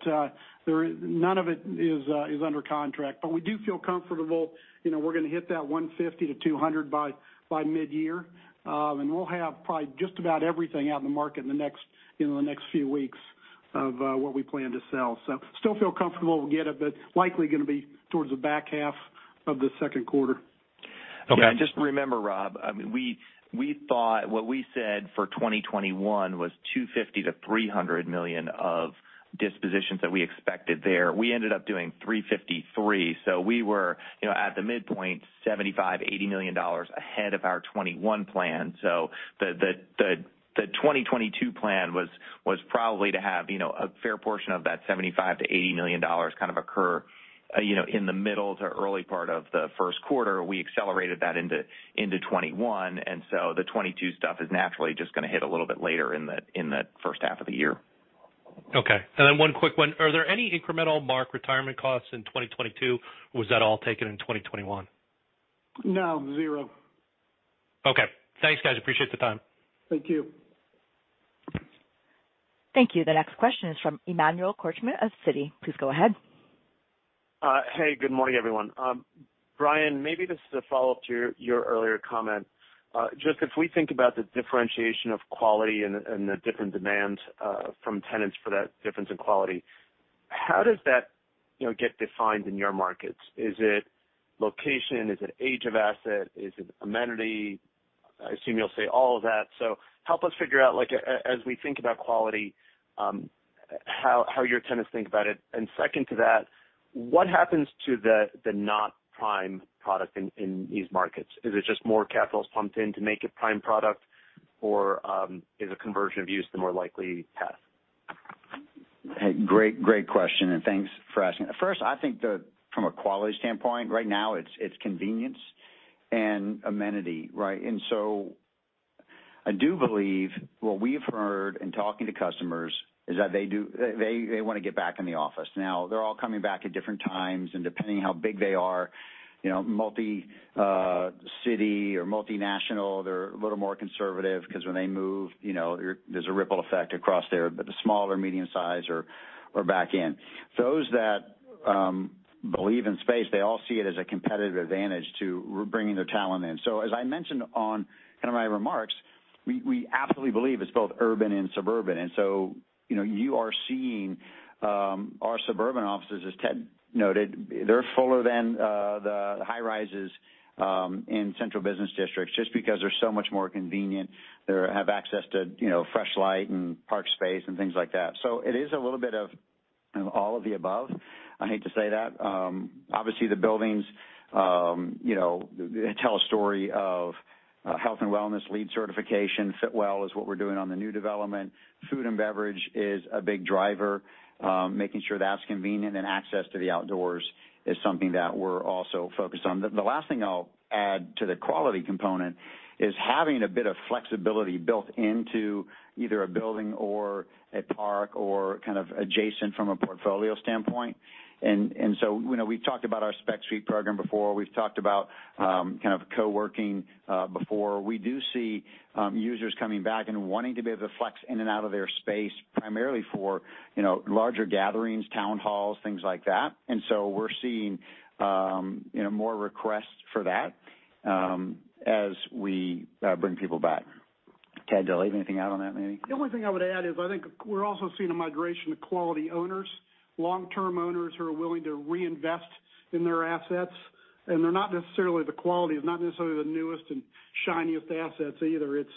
none of it is under contract. We do feel comfortable, you know, we're gonna hit that $150-$200 by mid-year. We'll have probably just about everything out in the market in the next few weeks of what we plan to sell. Still feel comfortable we'll get it, but likely gonna be towards the back half of the second quarter. Okay. Yeah, just remember, Rob, I mean, we thought what we said for 2021 was $250 million-$300 million of dispositions that we expected there. We ended up doing $353 million. We were, you know, at the midpoint, $75-$80 million ahead of our 2021 plan. The 2022 plan was probably to have, you know, a fair portion of that $75-$80 million kind of occur, you know, in the middle to early part of the first quarter. We accelerated that into 2021. The 2022 stuff is naturally just gonna hit a little bit later in the first half of the year. Okay. One quick one. Are there any incremental Mark retirement costs in 2022? Was that all taken in 2021? No, zero Okay. Thanks, guys. Appreciate the time. Thank you. Thank you. The next question is from Emmanuel Korchman of Citi. Please go ahead. Hey, good morning, everyone. Brian, maybe this is a follow-up to your earlier comment. Just if we think about the differentiation of quality and the different demands from tenants for that difference in quality. How does that, you know, get defined in your markets? Is it location? Is it age of asset? Is it amenity? I assume you'll say all of that. Help us figure out, like, as we think about quality, how your tenants think about it. Second to that, what happens to the not prime product in these markets? Is it just more capital is pumped in to make it prime product or is a conversion of use the more likely path? Hey, great question, and thanks for asking. First, I think from a quality standpoint, right now it's convenience and amenity, right? I do believe what we've heard in talking to customers is that they wanna get back in the office. Now, they're all coming back at different times, and depending how big they are, you know, multi-city or multinational, they're a little more conservative because when they move, you know, there's a ripple effect across there. But the smaller medium-size are back in. Those that believe in space, they all see it as a competitive advantage to bringing their talent in. As I mentioned in my remarks, we absolutely believe it's both urban and suburban. You know, you are seeing our suburban offices, as Ted noted. They're fuller than the high rises in central business districts just because they're so much more convenient. They have access to, you know, fresh light and park space and things like that. It is a little bit of all of the above. I hate to say that. Obviously, the buildings, you know, they tell a story of health and wellness, LEED certification. Fitwel is what we're doing on the new development. Food and beverage is a big driver, making sure that's convenient. Access to the outdoors is something that we're also focused on. The last thing I'll add to the quality component is having a bit of flexibility built into either a building or a park or kind of adjacent from a portfolio standpoint. And so, you know, we've talked about our spec suite program before. We've talked about kind of co-working before. We do see users coming back and wanting to be able to flex in and out of their space primarily for, you know, larger gatherings, town halls, things like that. We're seeing, you know, more requests for that as we bring people back. Ted, did I leave anything out on that maybe? The only thing I would add is I think we're also seeing a migration of quality owners, long-term owners who are willing to reinvest in their assets. They're not necessarily the quality. It's not necessarily the newest and shiniest assets either. It's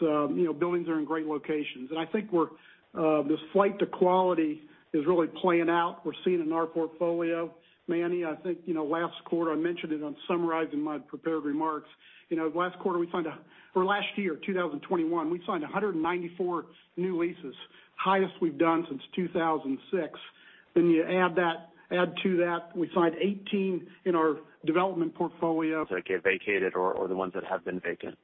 you know, buildings are in great locations. This flight to quality is really playing out. We're seeing it in our portfolio. Manny, I think, you know, last quarter I mentioned it in summarizing my prepared remarks. You know, last quarter we signed or last year, 2021, we signed 194 new leases, highest we've done since 2006. You add to that, we signed 18 in our development portfolio. That get vacated or the ones that have been vacant.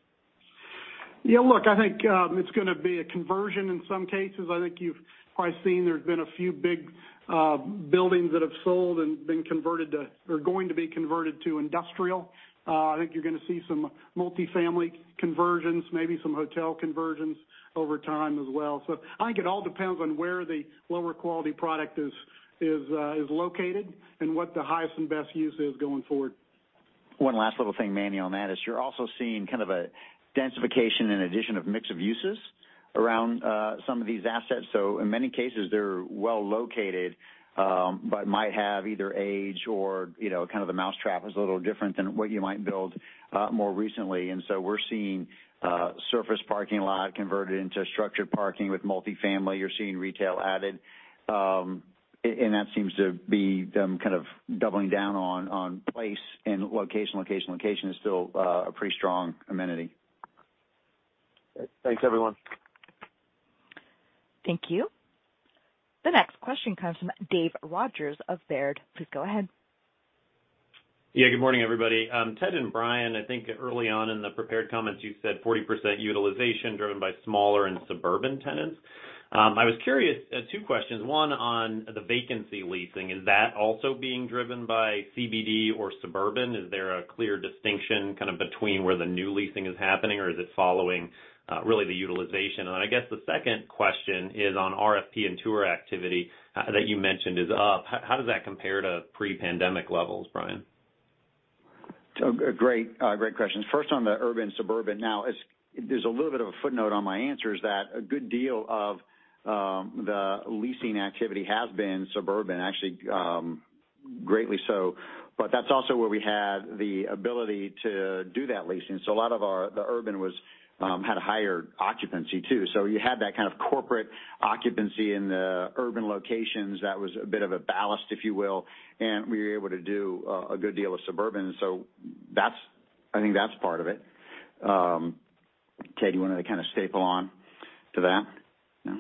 Yeah, look, I think it's gonna be a conversion in some cases. I think you've probably seen there's been a few big buildings that have sold and been converted to or going to be converted to industrial. I think you're gonna see some multifamily conversions, maybe some hotel conversions over time as well. I think it all depends on where the lower quality product is located and what the highest and best use is going forward. One last little thing, Manny, on that is you're also seeing kind of a densification and addition of mix of uses around some of these assets. In many cases, they're well located, but might have either age or, you know, kind of the mousetrap is a little different than what you might build more recently. We're seeing surface parking lot converted into structured parking with multifamily. You're seeing retail added. And that seems to be them kind of doubling down on place and location, location is still a pretty strong amenity. Thanks, everyone. Thank you. The next question comes from Dave Rodgers of Baird. Please go ahead. Yeah, good morning, everybody. Ted and Brian, I think early on in the prepared comments you said 40% utilization driven by smaller and suburban tenants. I was curious, two questions. One on the vacancy leasing. Is that also being driven by CBD or suburban? Is there a clear distinction kind of between where the new leasing is happening, or is it following really the utilization? And I guess the second question is on RFP and tour activity that you mentioned is up. How does that compare to pre-pandemic levels, Brian? Great questions. First, on the urban/suburban. There's a little bit of a footnote on my answer, is that a good deal of the leasing activity has been suburban, actually, greatly so. That's also where we had the ability to do that leasing. The urban had a higher occupancy too. You had that kind of corporate occupancy in the urban locations that was a bit of a ballast, if you will. We were able to do a good deal of suburban. That's, I think, part of it. Ted, you wanna kind of add on to that? No?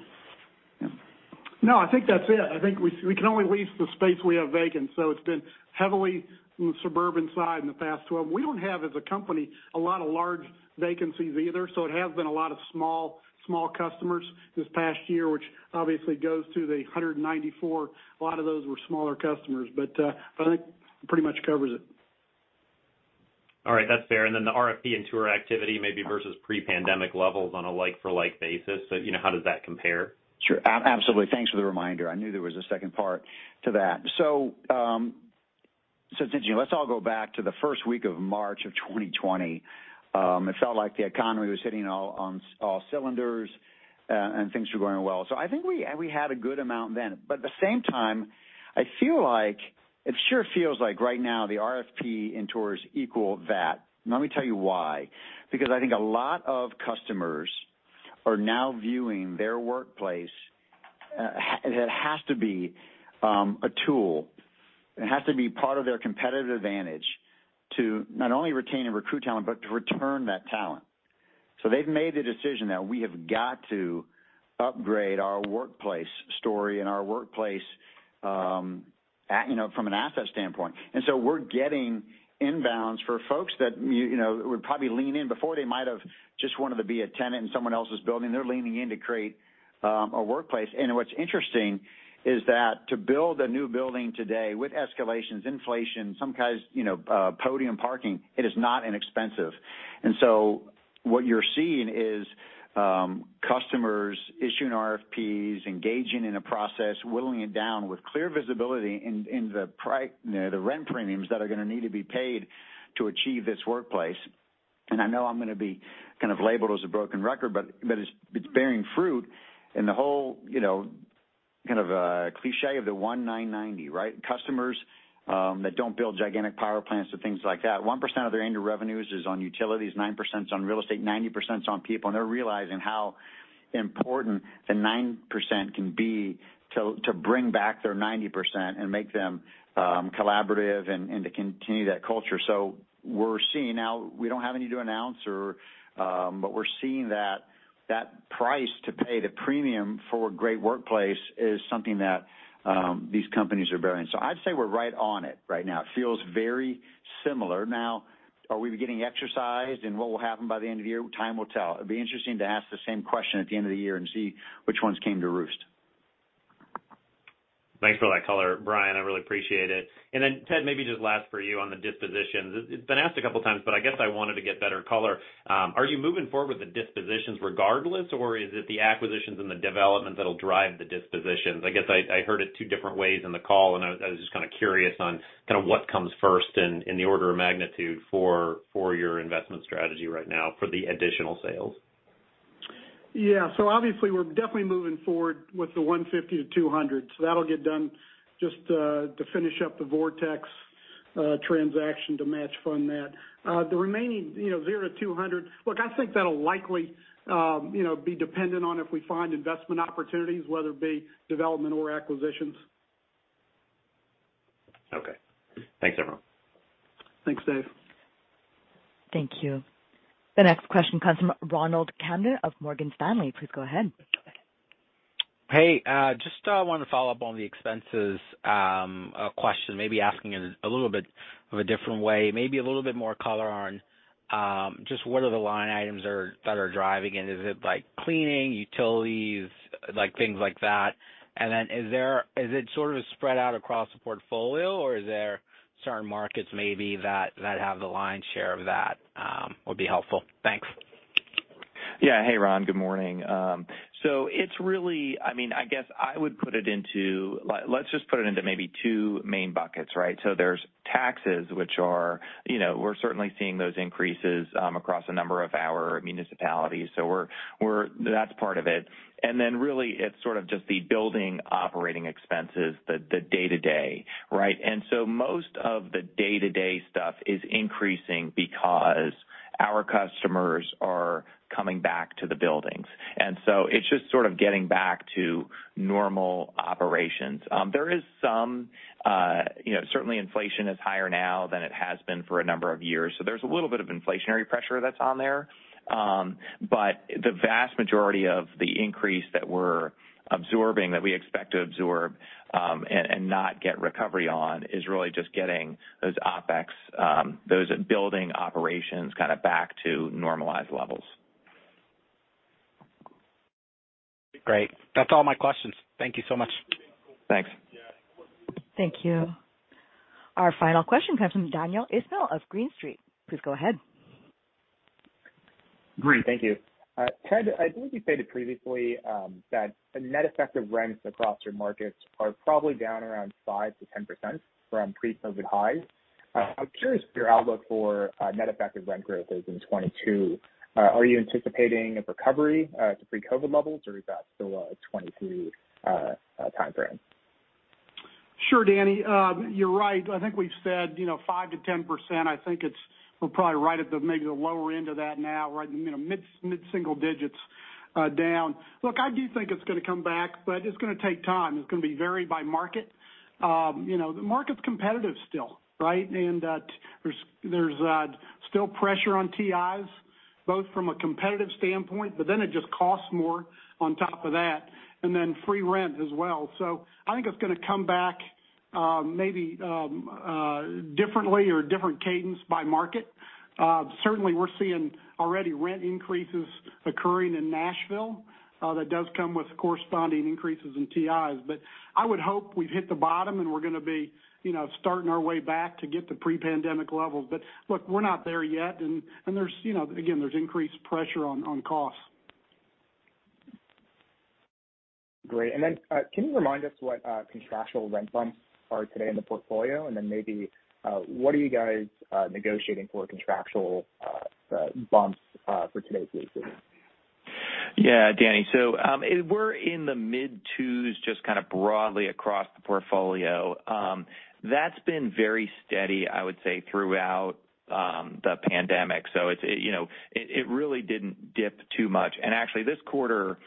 Yeah. No, I think that's it. I think we can only lease the space we have vacant, so it's been heavily on the suburban side in the past 12. We don't have, as a company, a lot of large vacancies either, so it has been a lot of small customers this past year, which obviously goes to the 194. A lot of those were smaller customers. I think pretty much covers it. All right, that's fair. Then the RFP and tour activity maybe versus pre-pandemic levels on a like for like basis. You know, how does that compare? Sure. Absolutely. Thanks for the reminder. I knew there was a second part to that. Let's all go back to the first week of March of 2020. It felt like the economy was hitting on all cylinders, and things were going well. I think we had a good amount then. At the same time, I feel like it sure feels like right now the RFP interest equals that. Let me tell you why. Because I think a lot of customers are now viewing their workplace. It has to be a tool. It has to be part of their competitive advantage to not only retain and recruit talent, but to return that talent. They've made the decision that we have got to upgrade our workplace story and our workplace, you know, from an asset standpoint. We're getting inbounds for folks that you know would probably lean in. Before they might have just wanted to be a tenant in someone else's building. They're leaning in to create a workplace. What's interesting is that to build a new building today with escalations, inflation, some guys you know podium parking, it is not inexpensive. What you're seeing is customers issuing RFPs, engaging in a process, whittling it down with clear visibility into the pricing you know the rent premiums that are going to need to be paid to achieve this workplace. I know I'm going to be kind of labeled as a broken record, but it's bearing fruit. The whole you know kind of cliché of the 1-9-90, right? Customers that don't build gigantic power plants or things like that, 1% of their annual revenues is on utilities, 9%'s on real estate, 90%'s on people, and they're realizing how important the 9% can be to bring back their 90% and make them collaborative and to continue that culture. We're seeing now we don't have any to announce or, but we're seeing that that price to pay the premium for a great workplace is something that these companies are bearing. I'd say we're right on it right now. It feels very similar. Now, are we getting exercised and what will happen by the end of the year? Time will tell. It'd be interesting to ask the same question at the end of the year and see which ones came to roost. Thanks for that color, Brian. I really appreciate it. Ted, maybe just last for you on the dispositions. It's been asked a couple of times, but I guess I wanted to get better color. Are you moving forward with the dispositions regardless, or is it the acquisitions and the development that'll drive the dispositions? I guess I heard it two different ways in the call, and I was just kind of curious on kind of what comes first in the order of magnitude for your investment strategy right now for the additional sales. Yeah. Obviously, we're definitely moving forward with the $150-$200. That'll get done just to finish up the Vortex transaction to match fund that. The remaining, you know, $0-$200. Look, I think that'll likely, you know, be dependent on if we find investment opportunities, whether it be development or acquisitions. Okay. Thanks, everyone. Thanks, Dave. Thank you. The next question comes from Ronald Kamdem of Morgan Stanley. Please go ahead. Hey, just wanted to follow up on the expenses question. Maybe asking it a little bit of a different way, maybe a little bit more color on just what are the line items are that are driving it? Is it like cleaning, utilities, like, things like that? Then is it sort of spread out across the portfolio or are there certain markets maybe that have the lion's share of that, would be helpful? Thanks. Yeah. Hey, Ron. Good morning. It's really I mean, I guess I would put it into. Let's just put it into maybe two main buckets, right? There's taxes, which are, you know, we're certainly seeing those increases across a number of our municipalities. We're, that's part of it. Really, it's sort of just the building operating expenses, the day-to-day, right? Most of the day-to-day stuff is increasing because our customers are coming back to the buildings. It's just sort of getting back to normal operations. There is some, you know, certainly inflation is higher now than it has been for a number of years. There's a little bit of inflationary pressure that's on there. The vast majority of the increase that we're absorbing, that we expect to absorb, and not get recovery on, is really just getting those OpEx, those building operations kind of back to normalized levels. Great. That's all my questions. Thank you so much. Thanks. Thank you. Our final question comes from Daniel Ismail of Green Street. Please go ahead. Great. Thank you. Ted, I believe you stated previously that the net effect of rents across your markets are probably down around 5%-10% from pre-COVID highs. I'm curious what your outlook for net effective rent growth is in 2022. Are you anticipating a recovery to pre-COVID levels, or is that still a 2022 timeframe? Sure, Daniel. You're right. I think we've said, you know, 5%-10%. I think we're probably right at maybe the lower end of that now, right in the, you know, mid single digits, down. Look, I do think it's gonna come back, but it's gonna take time. It's gonna be varied by market. You know, the market's competitive still, right? There's still pressure on TIs, both from a competitive standpoint, but then it just costs more on top of that, and then free rent as well. I think it's gonna come back, maybe, differently or different cadence by market. Certainly we're seeing already rent increases occurring in Nashville, that does come with corresponding increases in TIs. I would hope we've hit the bottom, and we're gonna be, you know, starting our way back to get to pre-pandemic levels. Look, we're not there yet, and there's, you know, again, there's increased pressure on costs. Great. Can you remind us what contractual rent bumps are today in the portfolio? Maybe what are you guys negotiating for contractual bumps for today's leases? Yeah, Daniel. We're in the mid-2s, just kind of broadly across the portfolio. That's been very steady, I would say, throughout the pandemic. It's, you know, it really didn't dip too much. Actually, this quarter,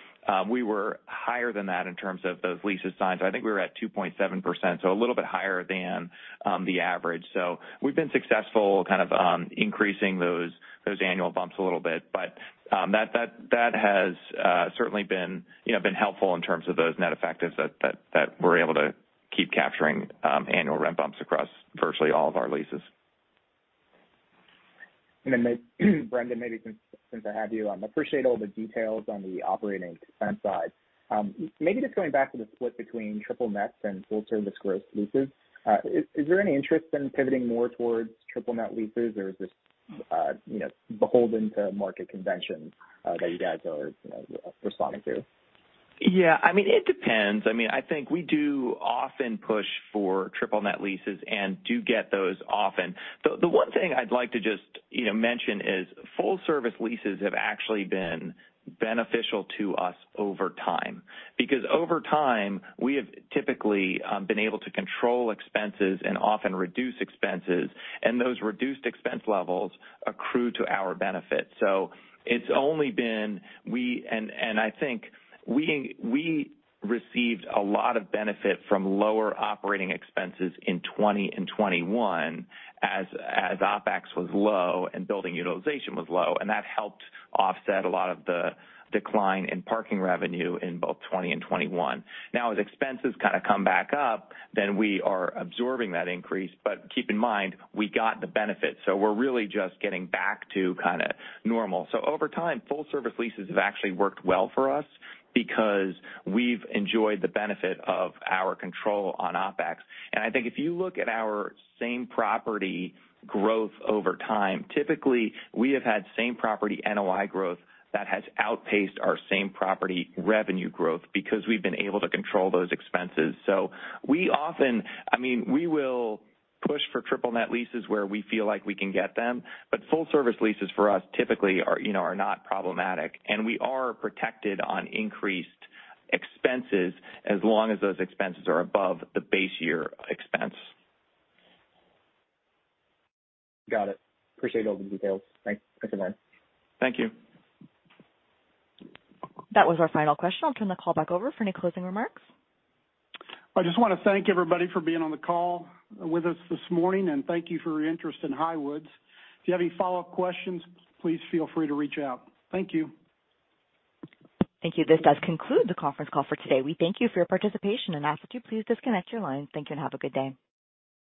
we were higher than that in terms of those leases signed. I think we were at 2.7%, so a little bit higher than the average. We've been successful kind of increasing those annual bumps a little bit. That has certainly been, you know, helpful in terms of those net effectives that we're able to keep capturing annual rent bumps across virtually all of our leases. Brendan, maybe since I have you, appreciate all the details on the operating expense side. Maybe just going back to the split between triple net and full service gross leases, is there any interest in pivoting more towards triple net leases? Or is this, you know, beholden to market convention, that you guys are, you know, responding to? Yeah, I mean, it depends. I mean, I think we do often push for triple net leases and do get those often. The one thing I'd like to just, you know, mention is full service leases have actually been beneficial to us over time. Because over time, we have typically been able to control expenses and often reduce expenses, and those reduced expense levels accrue to our benefit. I think we received a lot of benefit from lower operating expenses in 2020 and 2021 as OpEx was low and building utilization was low, and that helped offset a lot of the decline in parking revenue in both 2020 and 2021. Now, as expenses kind of come back up, then we are absorbing that increase. Keep in mind, we got the benefit, so we're really just getting back to kinda normal. Over time, full service leases have actually worked well for us because we've enjoyed the benefit of our control on OpEx. I think if you look at our same property growth over time, typically, we have had same property NOI growth that has outpaced our same property revenue growth because we've been able to control those expenses. We often, I mean, we will push for triple net leases where we feel like we can get them, but full service leases for us typically are, you know, are not problematic. We are protected on increased expenses as long as those expenses are above the base year expense. Got it. Appreciate all the details. Thanks again. Thank you. That was our final question. I'll turn the call back over for any closing remarks. I just wanna thank everybody for being on the call with us this morning, and thank you for your interest in Highwoods. If you have any follow-up questions, please feel free to reach out. Thank you. Thank you. This does conclude the conference call for today. We thank you for your participation and ask that you please disconnect your line. Thank you, and have a good day.